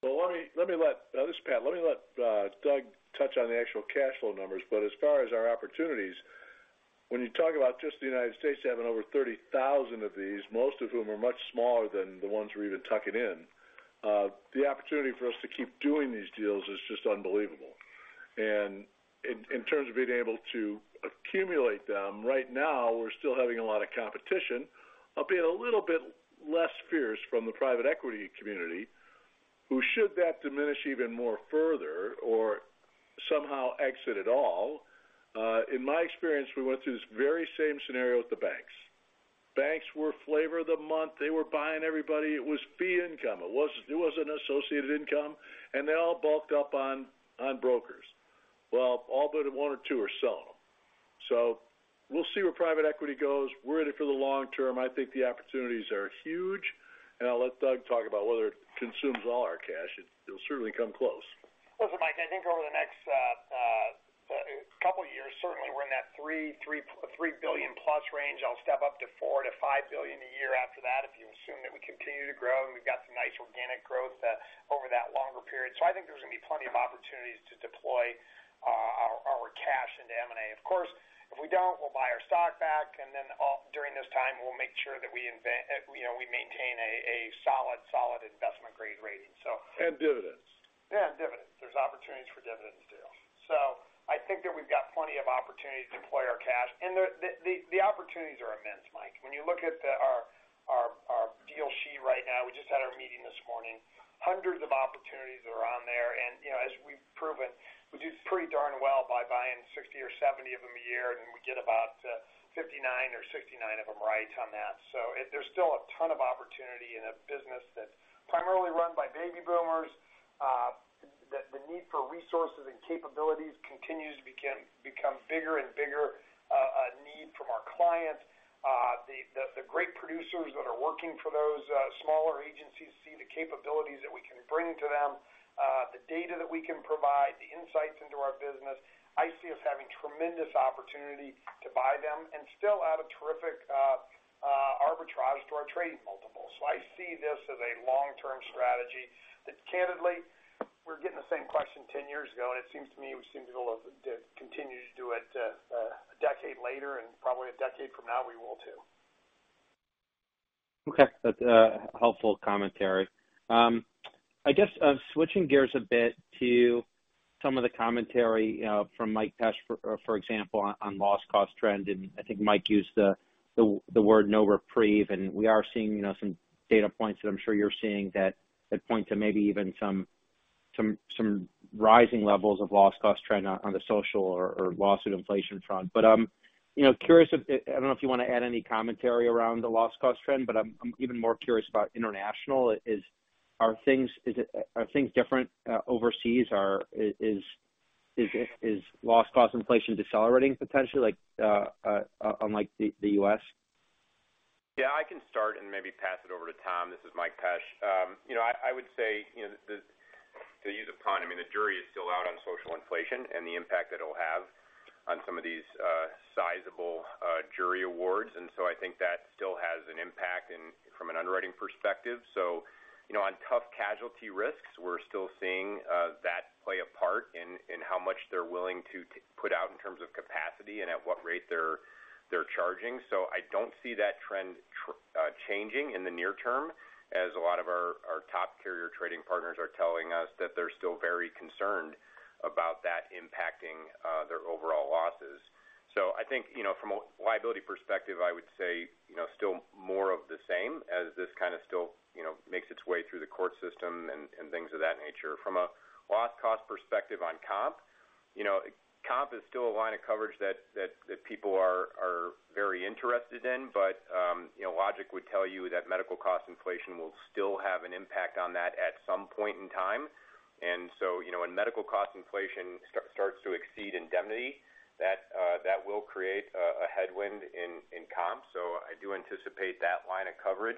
Well, this is Pat. Let me let Doug touch on the actual cash flow numbers. But as far as our opportunities, when you talk about just the United States having over 30,000 of these, most of whom are much smaller than the ones we're even tucking in, the opportunity for us to keep doing these deals is just unbelievable. And in terms of being able to accumulate them, right now, we're still having a lot of competition, albeit a little bit less fierce from the private equity community, who should that diminish even more further or somehow exit at all? In my experience, we went through this very same scenario with the banks. Banks were flavor of the month. They were buying everybody. It was fee income. It wasn't, it wasn't associated income, and they all bulked up on, on brokers. Well, all but one or two are selling them. So we'll see where private equity goes. We're in it for the long term. I think the opportunities are huge, and I'll let Doug talk about whether it consumes all our cash. It'll certainly come close. Listen, Mike, I think over the next couple of years, certainly we're in that $3, $3, $3 billion plus range. I'll step up to $4 billion-$5 billion a year after that, if you assume that we continue to grow, and we've got some nice organic growth over that longer period. So I think there's going to be plenty of opportunities to deploy our cash into M&A. Of course, if we don't, we'll buy our stock back, and then, during this time, we'll make sure that we, you know, we maintain a solid investment grade rating so- And dividends. Yeah, and dividends. There's opportunities for dividends, too. So I think that we've got plenty of opportunities to deploy our cash, and the opportunities are immense, Mike. When you look at our deal sheet right now, we just had our meeting this morning. Hundreds of opportunities are on there, and, you know, as we've proven, we do pretty darn well by buying 60 or 70 of them a year, and we get about 59 or 69 of them right on that. So there's still a ton of opportunity in a business that's primarily run by baby boomers, that the need for resources and capabilities continues to become bigger and bigger, a need from our clients. The great producers that are working for those smaller agencies see the capabilities that we can bring to them, the data that we can provide, the insights into our business. I see us having tremendous opportunity to buy them and still at a terrific arbitrage to our trading multiple. So I see this as a long-term strategy that, candidly, we're getting the same question 10 years ago, and it seems to me, we seem to be able to continue to do it, a decade later, and probably a decade from now, we will, too. Okay, that's a helpful commentary. I guess, switching gears a bit to some of the commentary from Mike Pesch, for example, on loss cost trend, and I think Mike used the word no reprieve, and we are seeing, you know, some data points that I'm sure you're seeing that point to maybe even some rising levels of loss cost trend on the social or lawsuit inflation front. But I'm, you know, curious if, I don't know if you want to add any commentary around the loss cost trend, but I'm even more curious about international. Are things different overseas? Is loss cost inflation decelerating potentially, like, unlike the U.S.? Yeah, I can start and maybe pass it over to Tom. This is Mike Pesch. You know, I would say, you know, the, to use a pun, I mean, the jury is still out on social inflation and the impact that it'll have on some of these sizable jury awards, and so I think that still has an impact in from an underwriting perspective. So, you know, on tough casualty risks, we're still seeing that play a part in how much they're willing to put out in terms of capacity and at what rate they're charging. So I don't see that trend changing in the near term, as a lot of our top carrier trading partners are telling us that they're still very concerned about that impacting their overall losses. So I think, you know, from a liability perspective, I would say, you know, still more of the same as this kind of still, you know, makes its way through the court system and things of that nature. From a loss cost perspective on comp, you know, comp is still a line of coverage that people are very interested in, but, you know, logic would tell you that medical cost inflation will still have an impact on that at some point in time. And so, you know, when medical cost inflation starts to exceed indemnity, that will create a headwind in comp. So I do anticipate that line of coverage,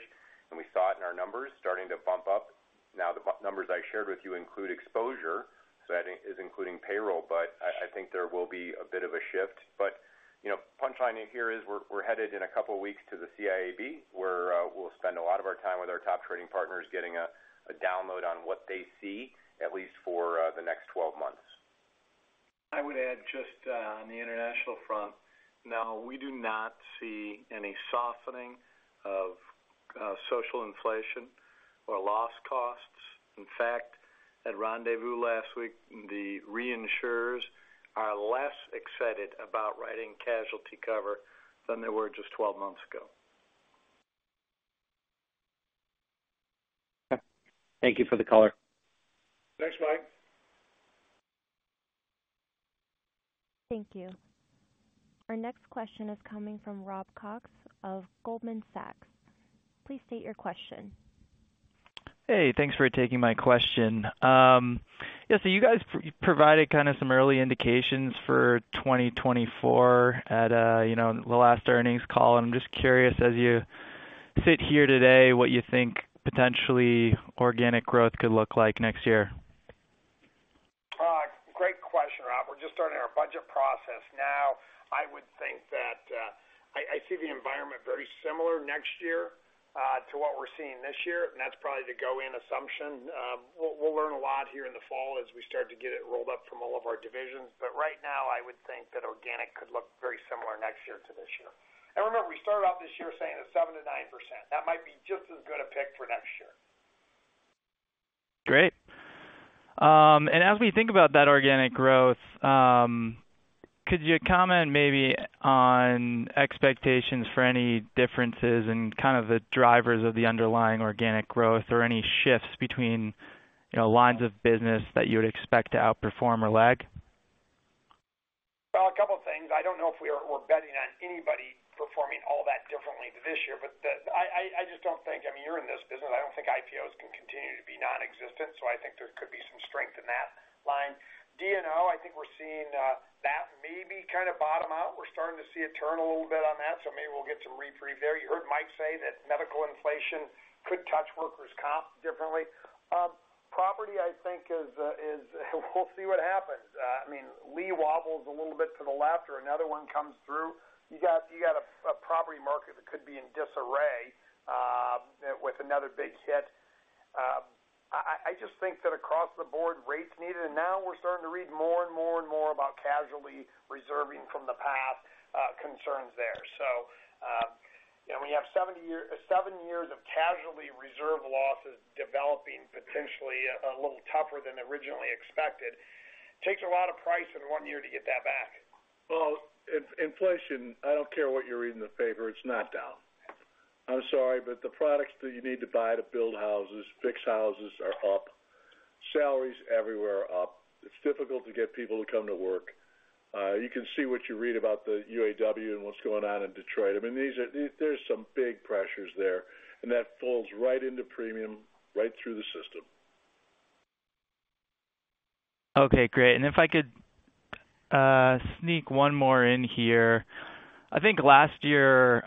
and we saw it in our numbers starting to bump up. Now, the numbers I shared with you include exposure, so that is including payroll, but I, I think there will be a bit of a shift. But, you know, punchline here is, we're headed in a couple of weeks to the CIAB, where we'll spend a lot of our time with our top trading partners, getting a download on what they see, at least for the next 12 months. I would add just, on the international front, no, we do not see any softening of, social inflation or loss costs. In fact, at Rendezvous last week, the reinsurers are less excited about writing casualty cover than they were just 12 months ago. Okay. Thank you for the color. Thanks, Mike. Thank you. Our next question is coming from Rob Cox of Goldman Sachs. Please state your question. Hey, thanks for taking my question. Yeah, so you guys provided kind of some early indications for 2024 at, you know, the last earnings call. I'm just curious, as you sit here today, what you think potentially organic growth could look like next year? Great question, Rob. We're just starting our budget process now. I would think that I see the environment very similar next year to what we're seeing this year, and that's probably the go-in assumption. We'll learn a lot here in the fall as we start to get it rolled up from all of our divisions, but right now, I would think that organic could look very similar next year to this year. And remember, we started off this year saying that 7%-9%, that might be just as good a pick for next year. Great. As we think about that organic growth, could you comment maybe on expectations for any differences and kind of the drivers of the underlying organic growth or any shifts between, you know, lines of business that you would expect to outperform or lag? Well, a couple of things. I don't know if we are - we're betting on anybody-... performing all that differently this year. But I just don't think, I mean, you're in this business, I don't think IPOs can continue to be nonexistent, so I think there could be some strength in that line. D&O, I think we're seeing that maybe kind of bottom out. We're starting to see it turn a little bit on that, so maybe we'll get some reprieve there. You heard Mike say that medical inflation could touch workers' comp differently. Property, I think is, we'll see what happens. I mean, Lee wobbles a little bit to the left or another one comes through. You got a property market that could be in disarray with another big hit. I just think that across the board rates needed, and now we're starting to read more and more and more about casualty reserving from the past concerns there. So, you know, when you have seven years of casualty reserve losses developing potentially a little tougher than originally expected, takes a lot of price in one year to get that back. Well, inflation, I don't care what you read in the paper, it's not down. I'm sorry, but the products that you need to buy to build houses, fix houses are up, salaries everywhere are up. It's difficult to get people to come to work. You can see what you read about the UAW and what's going on in Detroit. I mean, these are some big pressures there, and that falls right into premium, right through the system. Okay, great. If I could sneak one more in here. I think last year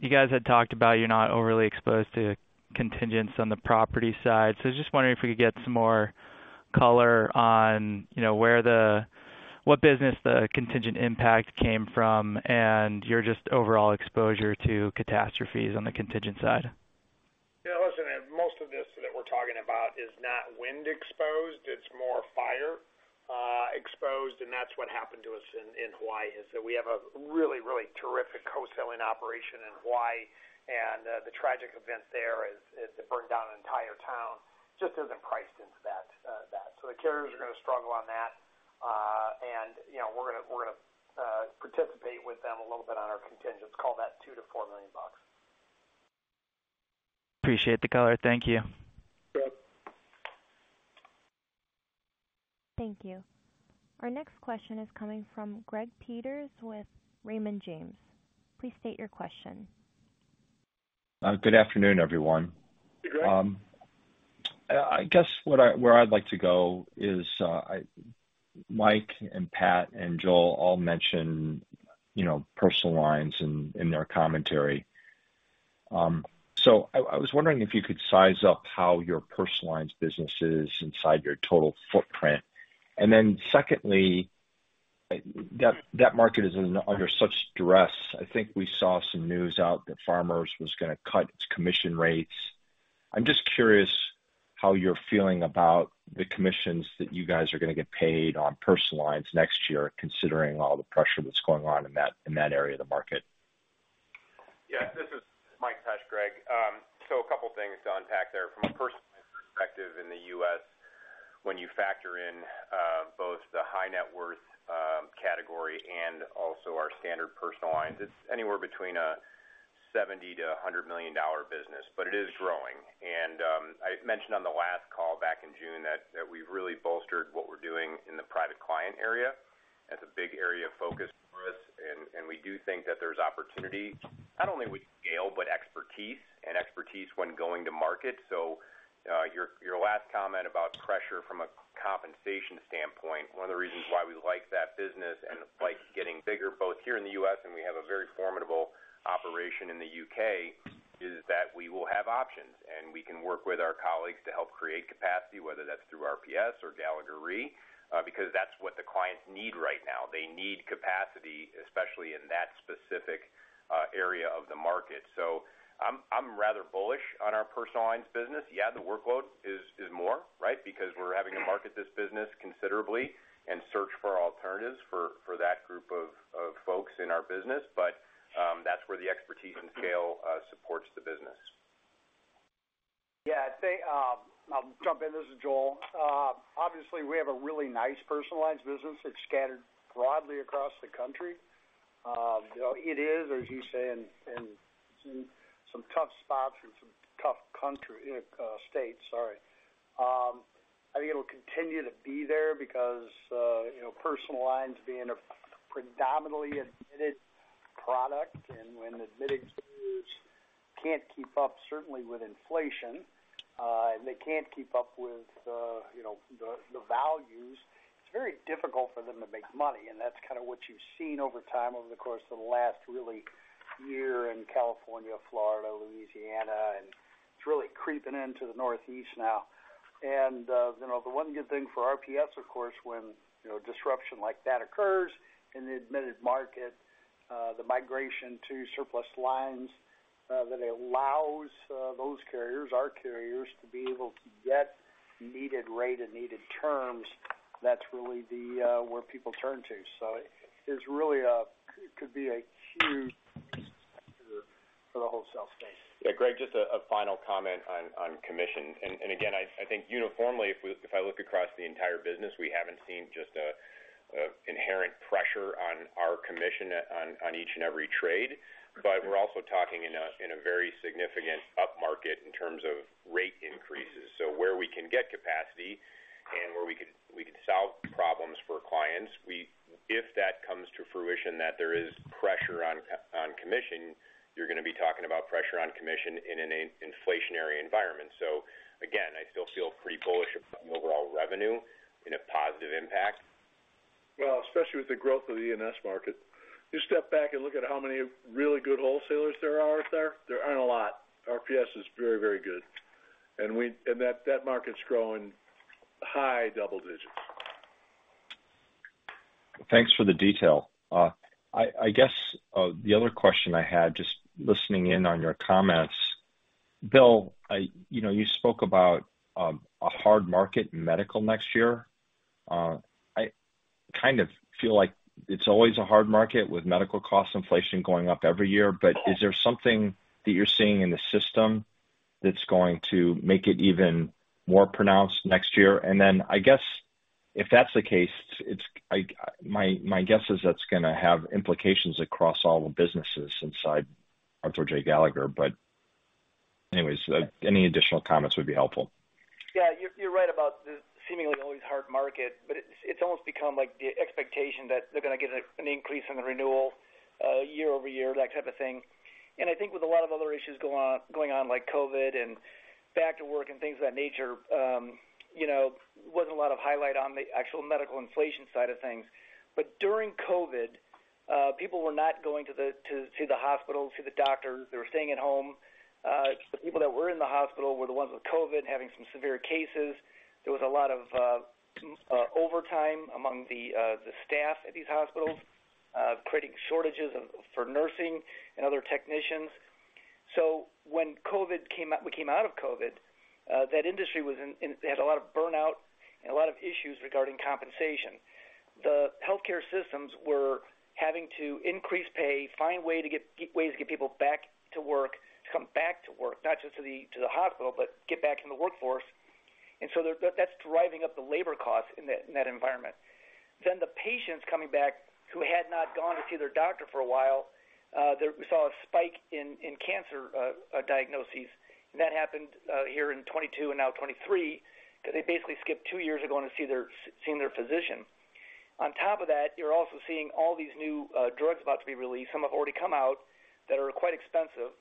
you guys had talked about you're not overly exposed to contingents on the property side. I was just wondering if we could get some more color on, you know, where the-- what business the contingent impact came from, and your just overall exposure to catastrophes on the contingent side. Yeah, listen, and most of this that we're talking about is not wind exposed, it's more fire exposed, and that's what happened to us in Hawaii, is that we have a really, really terrific co-selling operation in Hawaii, and the tragic event there is it burned down an entire town, just isn't priced into that. So the carriers are going to struggle on that, and you know, we're going to participate with them a little bit on our contingents. Call that $2 million-$4 million. Appreciate the color. Thank you. Yep. Thank you. Our next question is coming from Greg Peters with Raymond James. Please state your question. Good afternoon, everyone. Hey, Greg. I guess where I'd like to go is, Mike, and Pat, and Joel all mentioned, you know, personal lines in their commentary. So I was wondering if you could size up how your personal lines business is inside your total footprint. And then secondly, that market is under such stress. I think we saw some news out that Farmers was going to cut its commission rates. I'm just curious how you're feeling about the commissions that you guys are going to get paid on personal lines next year, considering all the pressure that's going on in that area of the market? Yeah, this is Mike Pesch, Greg. So a couple of things to unpack there. From a personal perspective in the U.S., when you factor in both the high net worth category and also our standard personal lines, it's anywhere between a $70-$100 million business, but it is growing. And I mentioned on the last call back in June that we've really bolstered what we're doing in the private client area. That's a big area of focus for us, and we do think that there's opportunity not only with scale, but expertise, and expertise when going to market. So, your last comment about pressure from a compensation standpoint, one of the reasons why we like that business and like getting bigger, both here in the U.S., and we have a very formidable operation in the U.K., is that we will have options, and we can work with our colleagues to help create capacity, whether that's through RPS or Gallagher Re, because that's what the clients need right now. They need capacity, especially in that specific area of the market. So I'm rather bullish on our personal lines business. Yeah, the workload is more, right? Because we're having to market this business considerably and search for alternatives for that group of folks in our business. But, that's where the expertise and scale supports the business. Yeah, I'd say, I'll jump in. This is Joel. Obviously, we have a really nice personal lines business. It's scattered broadly across the country. It is, as you say, in some tough spots and some tough country, states, sorry. I think it'll continue to be there because, you know, personal lines being a predominantly admitted product, and when admitted groups can't keep up, certainly with inflation, and they can't keep up with, you know, the values, it's very difficult for them to make money, and that's kind of what you've seen over time, over the course of the last really year in California, Florida, Louisiana, and it's really creeping into the Northeast now. And, you know, the one good thing for RPS, of course, when, you know, disruption like that occurs in the admitted market, the migration to surplus lines, that allows those carriers, our carriers, to be able to get needed rate and needed terms, that's really the where people turn to. So there's really a could be a huge for the whole E&S space. Yeah, Greg, just a final comment on commission. And again, I think uniformly, if we—if I look across the entire business, we haven't seen just a inherent pressure on our commission on each and every trade, but we're also talking in a very significant upmarket in terms of rate increases. So where we can get capacity and where we could, we could solve problems for clients, we-... if that comes to fruition, that there is pressure on commission, you're going to be talking about pressure on commission in an inflationary environment. So again, I still feel pretty bullish about the overall revenue in a positive impact. Well, especially with the growth of the E&S market. You step back and look at how many really good wholesalers there are out there, there aren't a lot. RPS is very, very good, and that market's growing high double digits. Thanks for the detail. I guess, the other question I had, just listening in on your comments, Bill, I-- you know, you spoke about, a hard market in medical next year. I kind of feel like it's always a hard market with medical cost inflation going up every year. But is there something that you're seeing in the system that's going to make it even more pronounced next year? And then, I guess, if that's the case, it's-- my guess is that's going to have implications across all the businesses inside Arthur J. Gallagher. But anyways, any additional comments would be helpful. Yeah, you're right about the seemingly always hard market, but it's almost become like the expectation that they're going to get an increase in the renewal year-over-year, that type of thing. And I think with a lot of other issues going on, like COVID and back to work and things of that nature, you know, wasn't a lot of highlight on the actual medical inflation side of things. But during COVID, people were not going to the hospital, to the doctors. They were staying at home. The people that were in the hospital were the ones with COVID, having some severe cases. There was a lot of overtime among the staff at these hospitals, creating shortages for nursing and other technicians. So when COVID came out, we came out of COVID, that industry was in—they had a lot of burnout and a lot of issues regarding compensation. The healthcare systems were having to increase pay, find ways to get people back to work, to come back to work, not just to the hospital, but get back in the workforce. And so that, that's driving up the labor costs in that environment. Then the patients coming back who had not gone to see their doctor for a while, there we saw a spike in cancer diagnoses, and that happened here in 2022 and now 2023, because they basically skipped two years ago and seeing their physician. On top of that, you're also seeing all these new drugs about to be released. Some have already come out that are quite expensive,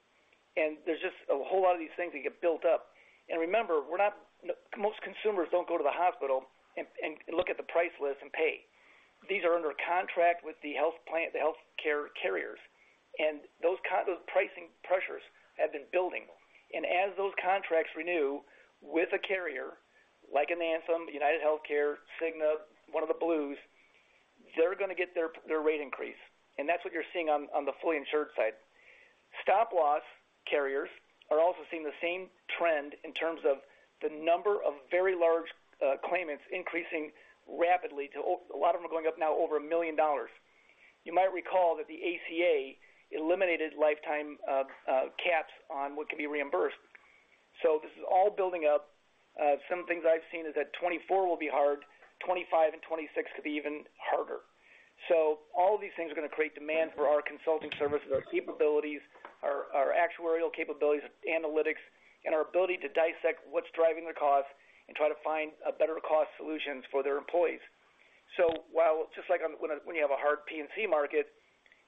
and there's just a whole lot of these things that get built up. And remember, we're not - most consumers don't go to the hospital and look at the price list and pay. These are under contract with the health plan, the healthcare carriers, and those pricing pressures have been building. And as those contracts renew with a carrier, like an Anthem, UnitedHealthcare, Cigna, one of the Blues, they're going to get their rate increase, and that's what you're seeing on the fully insured side. Stop loss carriers are also seeing the same trend in terms of the number of very large claimants increasing rapidly to a lot of them are going up now over $1 million. You might recall that the ACA eliminated lifetime caps on what could be reimbursed. So this is all building up. Some things I've seen is that 2024 will be hard, 2025 and 2026 could be even harder. So all of these things are going to create demand for our consulting services, our capabilities, our, our actuarial capabilities, analytics, and our ability to dissect what's driving the cost and try to find a better cost solutions for their employees. So while just like when you have a hard P&C market,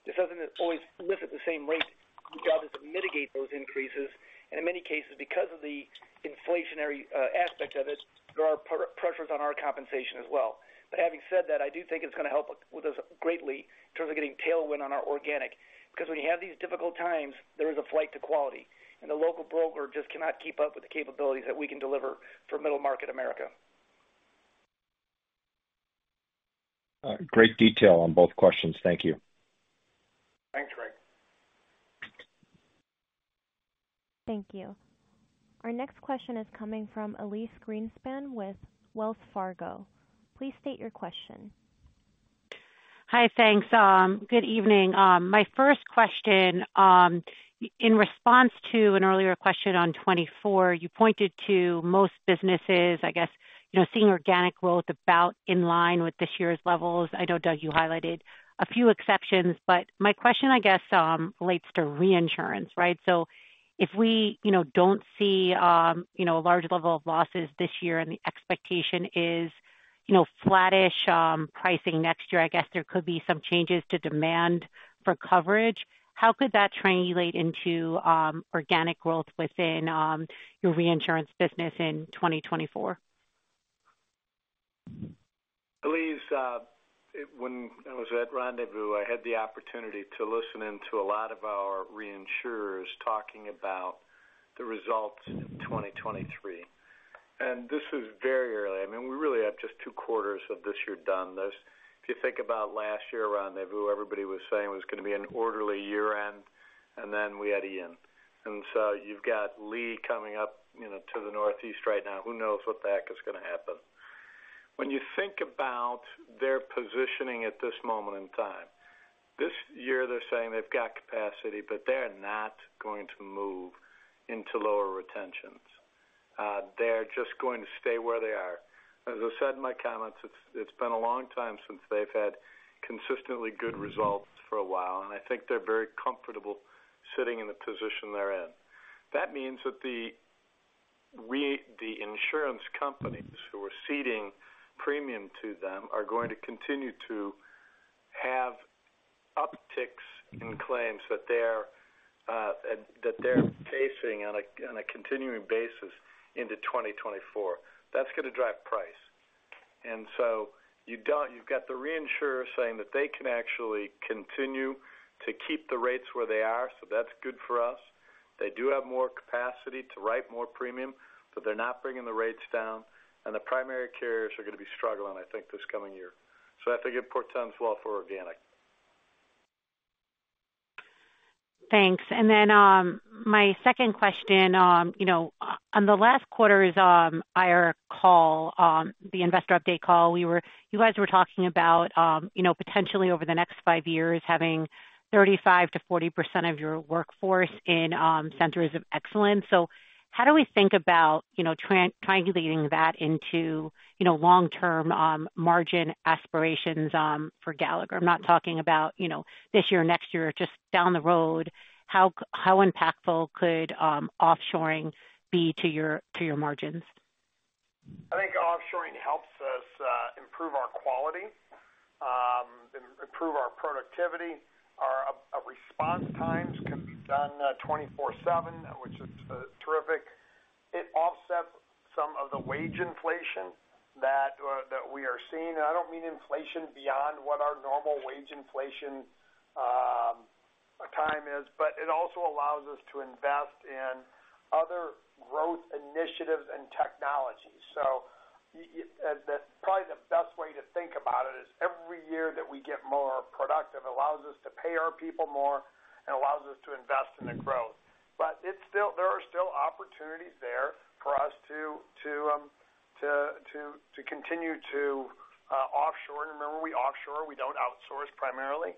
this doesn't always lift at the same rate. Your job is to mitigate those increases, and in many cases, because of the inflationary aspect of it, there are pressures on our compensation as well. But having said that, I do think it's going to help us, with us greatly in terms of getting tailwind on our organic, because when you have these difficult times, there is a flight to quality, and the local broker just cannot keep up with the capabilities that we can deliver for middle market America. Great detail on both questions. Thank you. Thanks, Greg. Thank you. Our next question is coming from Elise Greenspan with Wells Fargo. Please state your question. Hi, thanks. Good evening. My first question, in response to an earlier question on 2024, you pointed to most businesses, I guess, you know, seeing organic growth about in line with this year's levels. I know, Doug, you highlighted a few exceptions, but my question, I guess, relates to reinsurance, right? So if we, you know, don't see, you know, a large level of losses this year, and the expectation is, you know, flattish, pricing next year, I guess there could be some changes to demand for coverage. How could that translate into, organic growth within, your reinsurance business in 2024? Elise, when I was at Rendezvous, I had the opportunity to listen in to a lot of our reinsurers talking about the results in 2023. This is very early. I mean, we really have just two quarters of this year done. This, if you think about last year, Rendezvous, everybody was saying it was going to be an orderly year-end, and then we had Ian. And so you've got Lee coming up, you know, to the Northeast right now. Who knows what the heck is going to happen? When you think about their positioning at this moment in time, this year, they're saying they've got capacity, but they're not going to move into lower retentions. They're just going to stay where they are. As I said in my comments, it's been a long time since they've had consistently good results for a while, and I think they're very comfortable sitting in the position they're in. That means that the-... we, the insurance companies who are ceding premium to them, are going to continue to have upticks in claims that they're, that they're facing on a, on a continuing basis into 2024. That's going to drive price. And so you don't- you've got the reinsurer saying that they can actually continue to keep the rates where they are, so that's good for us. They do have more capacity to write more premium, but they're not bringing the rates down, and the primary carriers are going to be struggling, I think, this coming year. So I think it portends well for organic. Thanks. And then, my second question, you know, on the last quarter's IR call, the investor update call, you guys were talking about, you know, potentially over the next five years, having 35%-40% of your workforce in centers of excellence. So how do we think about, you know, triangulating that into, you know, long-term margin aspirations for Gallagher? I'm not talking about, you know, this year or next year, just down the road, how impactful could offshoring be to your margins? I think offshoring helps us improve our quality, improve our productivity. Our response times can be done 24/7, which is terrific. It offsets some of the wage inflation that we are seeing, and I don't mean inflation beyond what our normal wage inflation time is, but it also allows us to invest in other growth initiatives and technologies. So the probably the best way to think about it is every year that we get more productive, allows us to pay our people more and allows us to invest in the growth. But it's still—there are still opportunities there for us to continue to offshore. And remember, we offshore, we don't outsource primarily.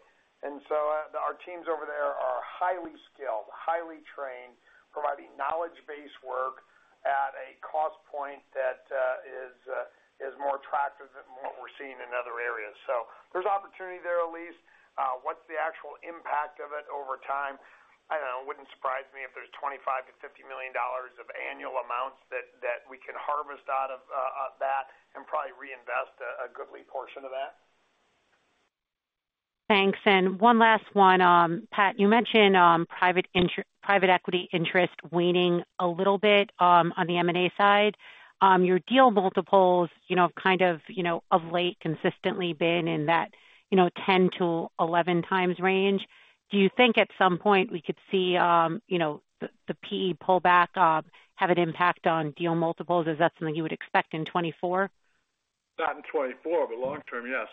So, our teams over there are highly skilled, highly trained, providing knowledge-based work at a cost point that is more attractive than what we're seeing in other areas. So there's opportunity there, Elise. What's the actual impact of it over time? I don't know. It wouldn't surprise me if there's $25 million-$50 million of annual amounts that we can harvest out of that and probably reinvest a goodly portion of that. Thanks. And one last one. Pat, you mentioned private equity interest waning a little bit on the M&A side. Your deal multiples, you know, kind of, you know, of late, consistently been in that, you know, 10-11 times range. Do you think at some point we could see, you know, the PE pullback have an impact on deal multiples? Is that something you would expect in 2024? Not in 2024, but long term, yes.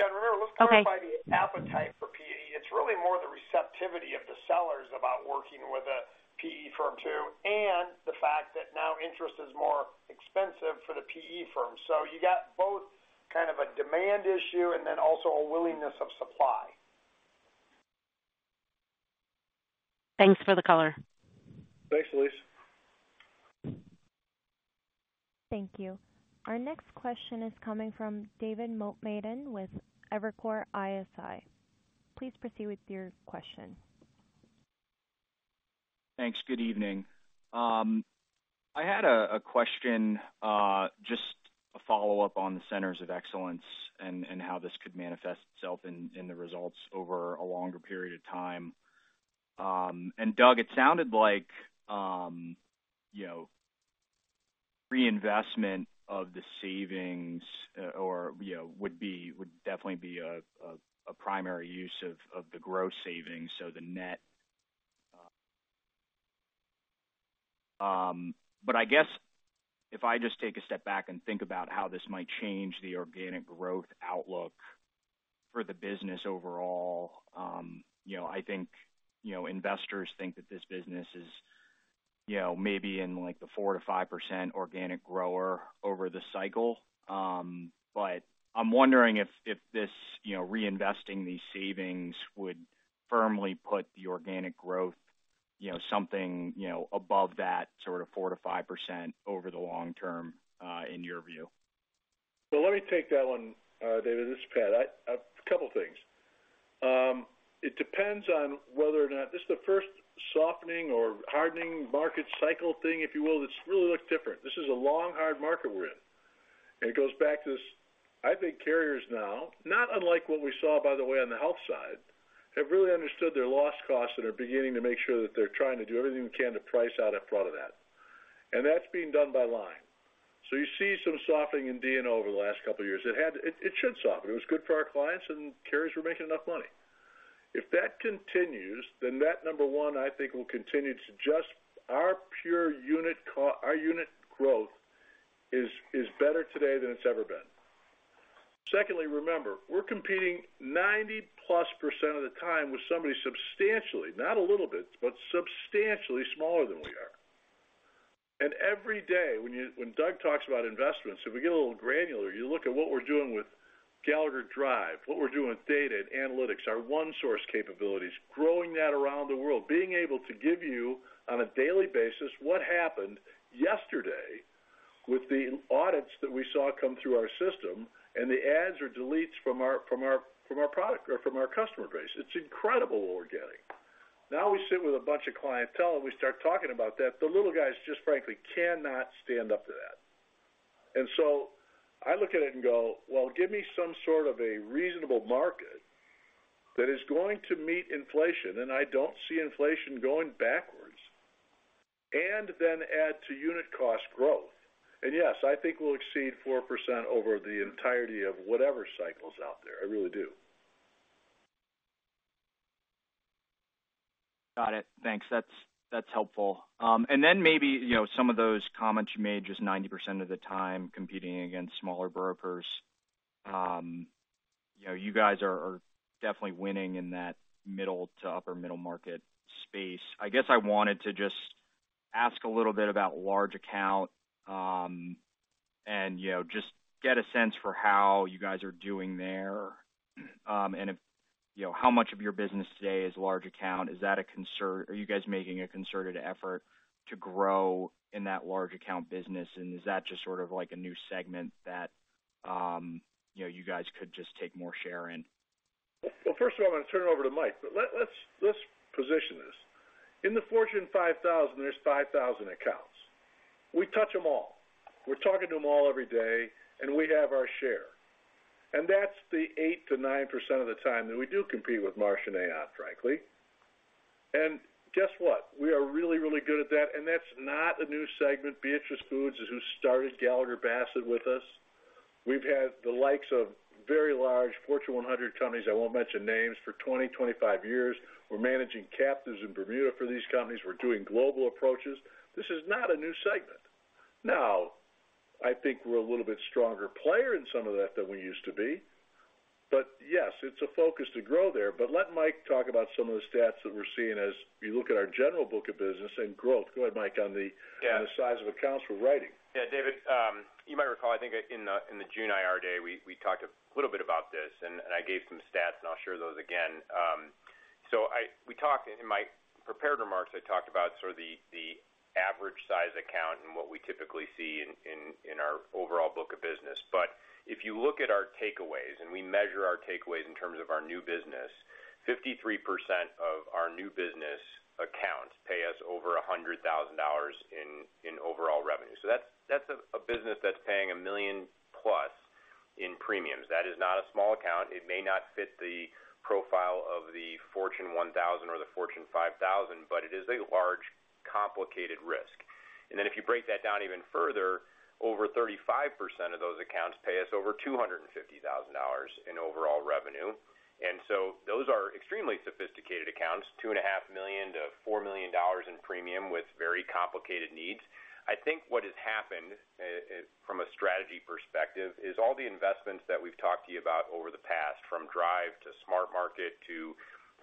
And remember, let's- Okay ...go by the appetite for PE. It's really more the receptivity of the sellers about working with a PE firm, too, and the fact that now interest is more expensive for the PE firms. So you got both kind of a demand issue and then also a willingness of supply. Thanks for the color. Thanks, Elise. Thank you. Our next question is coming from David Motemaden with Evercore ISI. Please proceed with your question. Thanks. Good evening. I had a question, just a follow-up on the centers of excellence and how this could manifest itself in the results over a longer period of time. And Doug, it sounded like, you know, reinvestment of the savings, or, you know, would definitely be a primary use of the gross savings, so the net... But I guess if I just take a step back and think about how this might change the organic growth outlook for the business overall, you know, I think, you know, investors think that this business is, you know, maybe in, like, the 4%-5% organic grower over the cycle. I'm wondering if this, you know, reinvesting these savings would firmly put the organic growth, you know, something, you know, above that sort of 4%-5% over the long term, in your view? So let me take that one, David. This is Pat. A couple things. It depends on whether or not this is the first softening or hardening market cycle thing, if you will, that's really looked different. This is a long, hard market we're in, and it goes back to this, I think carriers now, not unlike what we saw, by the way, on the health side, have really understood their loss costs and are beginning to make sure that they're trying to do everything we can to price out in front of that. And that's being done by line. So you see some softening in D&O over the last couple of years. It should soften. It was good for our clients, and carriers were making enough money. If that continues, then that, number one, I think will continue to just our pure unit growth is better today than it's ever been. Secondly, remember, we're competing 90+% of the time with somebody substantially, not a little bit, but substantially smaller than we are. And every day, when Doug talks about investments, if we get a little granular, you look at what we're doing with Gallagher Drive, what we're doing with data and analytics, our OneSource capabilities, growing that around the world, being able to give you on a daily basis what happened yesterday-... with the audits that we saw come through our system, and the adds or deletes from our product or from our customer base, it's incredible what we're getting. Now, we sit with a bunch of clientele, and we start talking about that. The little guys just frankly cannot stand up to that. And so I look at it and go, "Well, give me some sort of a reasonable market that is going to meet inflation," and I don't see inflation going backwards, and then add to unit cost growth. And yes, I think we'll exceed 4% over the entirety of whatever cycle's out there. I really do. Got it. Thanks. That's, that's helpful. And then maybe, you know, some of those comments you made just 90% of the time competing against smaller brokers. You know, you guys are, are definitely winning in that middle to upper middle market space. I guess I wanted to just ask a little bit about large account, and, you know, just get a sense for how you guys are doing there. And if, you know, how much of your business today is large account? Is that a concern? Are you guys making a concerted effort to grow in that large account business? And is that just sort of like a new segment that, you know, you guys could just take more share in? Well, first of all, I'm going to turn it over to Mike, but let's position this. In the Fortune 5000, there's 5000 accounts. We touch them all. We're talking to them all every day, and we have our share. And that's the 8%-9% of the time that we do compete with Marsh & McLennan, frankly. And guess what? We are really, really good at that, and that's not a new segment. Beatrice Foods is who started Gallagher Bassett with us. We've had the likes of very large Fortune 100 companies, I won't mention names, for 20-25 years. We're managing captives in Bermuda for these companies. We're doing global approaches. This is not a new segment. Now, I think we're a little bit stronger player in some of that than we used to be. But yes, it's a focus to grow there. But let Mike talk about some of the stats that we're seeing as we look at our general book of business and growth. Go ahead, Mike, on the- Yeah. on the size of accounts we're writing. Yeah, David, you might recall, I think, in the June IR day, we talked a little bit about this, and I gave some stats, and I'll share those again. So in my prepared remarks, I talked about sort of the average size account and what we typically see in our overall book of business. But if you look at our takeaways, and we measure our takeaways in terms of our new business, 53% of our new business accounts pay us over $100,000 in overall revenue. So that's a business that's paying $1 million-plus in premiums. That is not a small account. It may not fit the profile of the Fortune 1000 or the Fortune 5000, but it is a large, complicated risk. And then if you break that down even further, over 35% of those accounts pay us over $250,000 in overall revenue. And so those are extremely sophisticated accounts, $2.5 million-$4 million in premium with very complicated needs. I think what has happened, from a strategy perspective, is all the investments that we've talked to you about over the past, from Drive to Smart Market to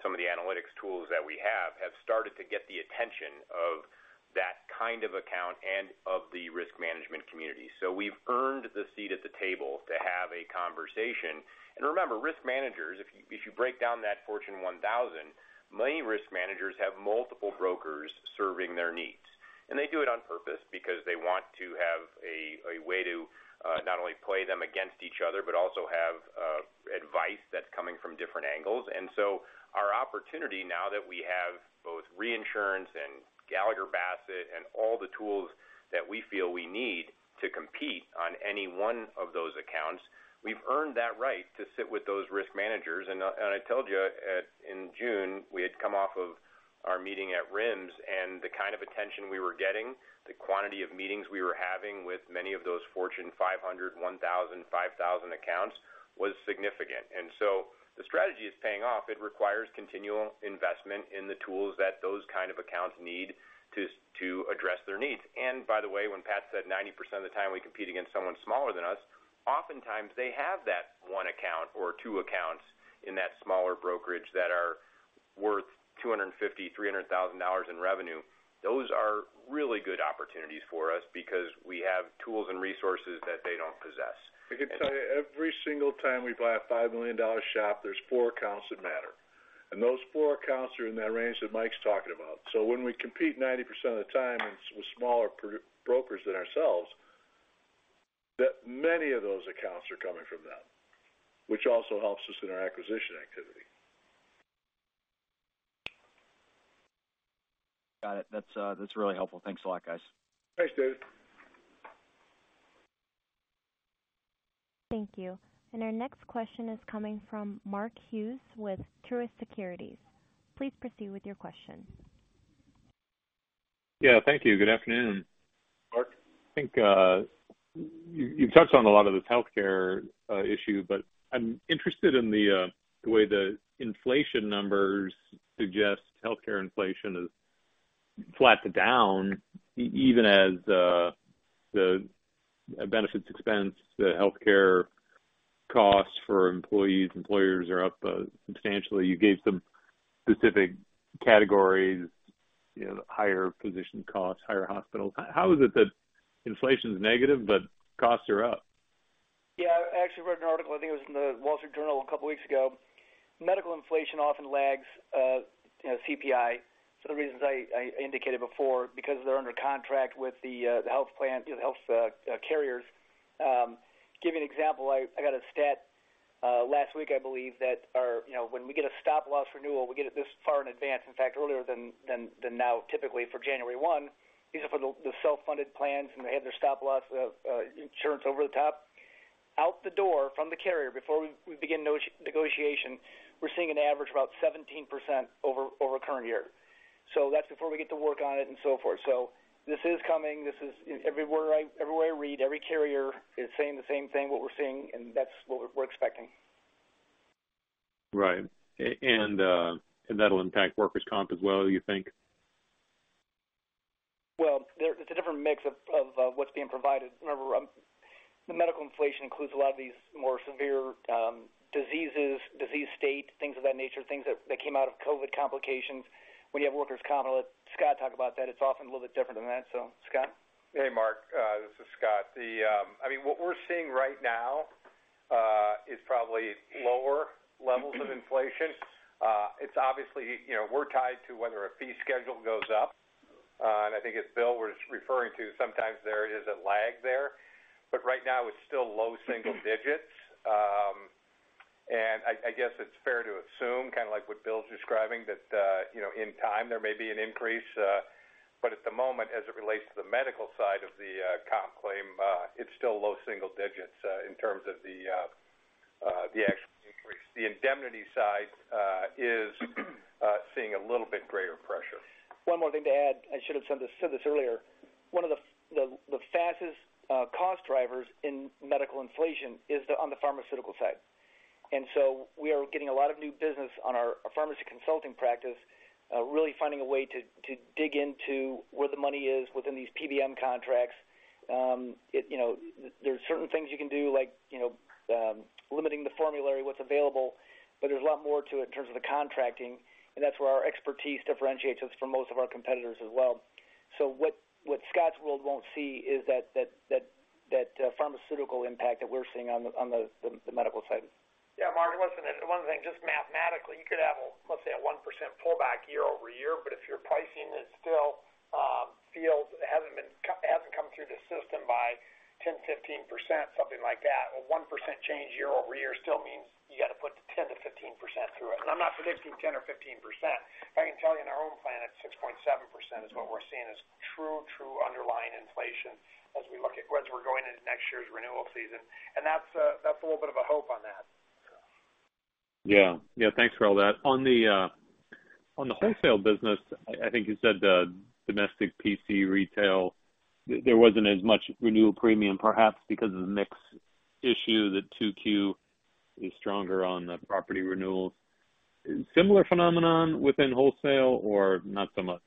some of the analytics tools that we have, have started to get the attention of that kind of account and of the risk management community. So we've earned the seat at the table to have a conversation. And remember, risk managers, if you, if you break down that Fortune 1000, many risk managers have multiple brokers serving their needs. They do it on purpose because they want to have a, a way to, not only play them against each other, but also have, advice that's coming from different angles. So our opportunity now that we have both reinsurance and Gallagher Bassett and all the tools that we feel we need to compete on any one of those accounts, we've earned that right to sit with those risk managers. And I told you in June, we had come off of our meeting at RIMS, and the kind of attention we were getting, the quantity of meetings we were having with many of those Fortune 500, 1,000, 5,000 accounts was significant. So the strategy is paying off. It requires continual investment in the tools that those kind of accounts need to, to address their needs. And by the way, when Pat said 90% of the time we compete against someone smaller than us, oftentimes they have that one account or two accounts in that smaller brokerage that are worth $250,000-$300,000 in revenue. Those are really good opportunities for us because we have tools and resources that they don't possess. I can tell you, every single time we buy a $5 million shop, there's four accounts that matter, and those four accounts are in that range that Mike's talking about. When we compete 90% of the time with smaller brokers than ourselves, that many of those accounts are coming from them, which also helps us in our acquisition activity. Got it. That's really helpful. Thanks a lot, guys. Thanks, David. Thank you. And our next question is coming from Mark Hughes with Truist Securities. Please proceed with your question. Yeah, thank you. Good afternoon. Mark. I think, you, you've touched on a lot of this healthcare issue, but I'm interested in the way the inflation numbers suggest healthcare inflation is flat to down, even as the benefits expense, the healthcare costs for employees, employers are up substantially. You gave some specific categories, you know, higher physician costs, higher hospitals. How is it that inflation is negative, but costs are up?... Yeah, I actually read an article, I think it was in the Wall Street Journal a couple weeks ago. Medical inflation often lags, you know, CPI for the reasons I indicated before, because they're under contract with the, the health plan, the health, carriers. Give you an example, I got a stat, last week, I believe, that our, you know, when we get a stop loss renewal, we get it this far in advance, in fact, earlier than now, typically for January one, these are for the self-funded plans, and they have their stop loss insurance over the top. Out the door from the carrier, before we begin negotiation, we're seeing an average about 17% over current year. So that's before we get to work on it, and so forth. So this is coming. This is everywhere I read, every carrier is saying the same thing, what we're seeing, and that's what we're expecting. Right. And that'll impact workers' comp as well, you think? Well, there it's a different mix of, of, what's being provided. Remember, the medical inflation includes a lot of these more severe, diseases, disease state, things of that nature, things that, that came out of COVID complications. When you have workers' comp, I'll let Scott talk about that. It's often a little bit different than that. So, Scott? Hey, Mark, this is Scott. I mean, what we're seeing right now is probably lower levels of inflation. It's obviously, you know, we're tied to whether a fee schedule goes up. And I think as Bill was referring to, sometimes there is a lag there, but right now it's still low single digits. And I guess it's fair to assume, kind of like what Bill's describing, that, you know, in time there may be an increase, but at the moment, as it relates to the medical side of the, comp claim, it's still low single digits, in terms of the, the actual increase. The indemnity side is seeing a little bit greater pressure. One more thing to add. I should've said this earlier. One of the fastest cost drivers in medical inflation is on the pharmaceutical side. And so we are getting a lot of new business on our pharmacy consulting practice, really finding a way to dig into where the money is within these PBM contracts. You know, there's certain things you can do, like, you know, limiting the formulary, what's available, but there's a lot more to it in terms of the contracting, and that's where our expertise differentiates us from most of our competitors as well. So what Scott's world won't see is that pharmaceutical impact that we're seeing on the medical side. Yeah, Mark, listen, one thing, just mathematically, you could have, let's say, a 1% pullback year-over-year, but if your pricing is still, feels it hasn't been—it hasn't come through the system by 10%-15%, something like that, a 1% change year-over-year still means you got to put 10%-15% through it. And I'm not predicting 10% or 15%. I can tell you in our own plan, at 6.7% is what we're seeing as true, true underlying inflation as we look at—as we're going into next year's renewal season. And that's, that's a little bit of a hope on that. Yeah. Yeah, thanks for all that. On the wholesale business, I think you said the domestic P&C retail, there wasn't as much renewal premium, perhaps because of the mix issue, that 2Q is stronger on the property renewals. Similar phenomenon within wholesale or not so much?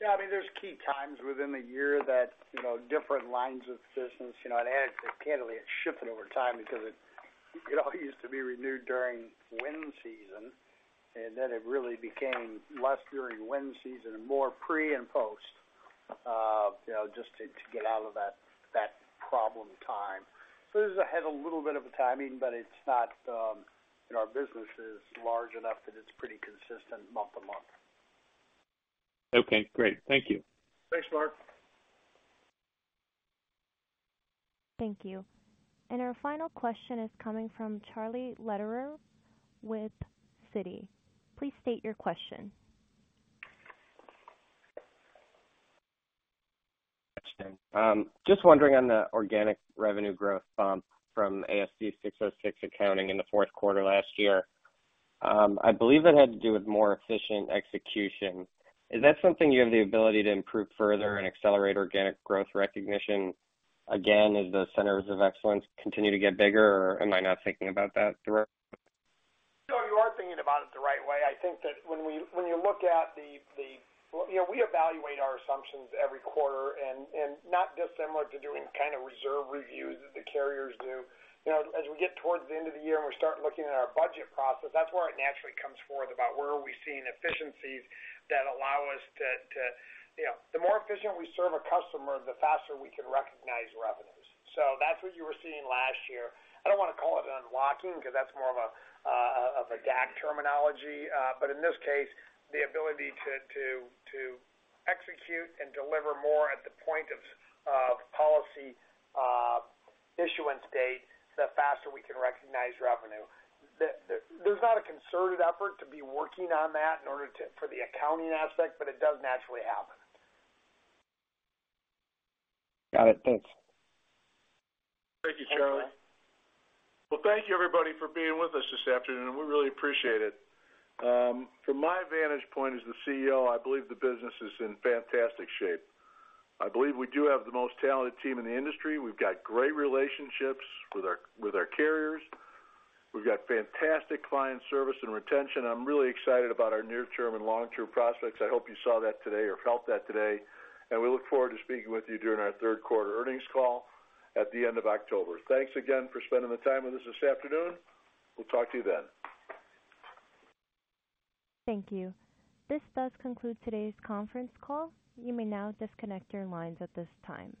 Yeah, I mean, there's key times within the year that, you know, different lines of business, you know, it adds, candidly, it's shifted over time because it, it all used to be renewed during wind season, and then it really became less during wind season and more pre and post, you know, just to, to get out of that, that problem time. So there's a little bit of a timing, but it's not, you know, our business is large enough that it's pretty consistent month to month. Okay, great. Thank you. Thanks, Mark. Thank you. Our final question is coming from Charlie Lederer with Citi. Please state your question.... Just wondering on the organic revenue growth, from ASC 606 accounting in the fourth quarter last year. I believe it had to do with more efficient execution. Is that something you have the ability to improve further and accelerate organic growth recognition again, as the centers of excellence continue to get bigger, or am I not thinking about that the right? No, you are thinking about it the right way. I think that when you look at the. You know, we evaluate our assumptions every quarter, and not dissimilar to doing kind of reserve reviews that the carriers do. You know, as we get towards the end of the year, and we start looking at our budget process, that's where it naturally comes forth, about where are we seeing efficiencies that allow us to. You know, the more efficient we serve a customer, the faster we can recognize revenues. So that's what you were seeing last year. I don't want to call it unlocking, because that's more of a DAC terminology. But in this case, the ability to execute and deliver more at the point of policy issuance date, the faster we can recognize revenue. There's not a concerted effort to be working on that in order to for the accounting aspect, but it does naturally happen. Got it. Thanks. Thank you, Charlie. Well, thank you, everybody, for being with us this afternoon, and we really appreciate it. From my vantage point as the CEO, I believe the business is in fantastic shape. I believe we do have the most talented team in the industry. We've got great relationships with our, with our carriers. We've got fantastic client service and retention. I'm really excited about our near-term and long-term prospects. I hope you saw that today or felt that today, and we look forward to speaking with you during our third quarter earnings call at the end of October. Thanks again for spending the time with us this afternoon. We'll talk to you then. Thank you. This does conclude today's conference call. You may now disconnect your lines at this time.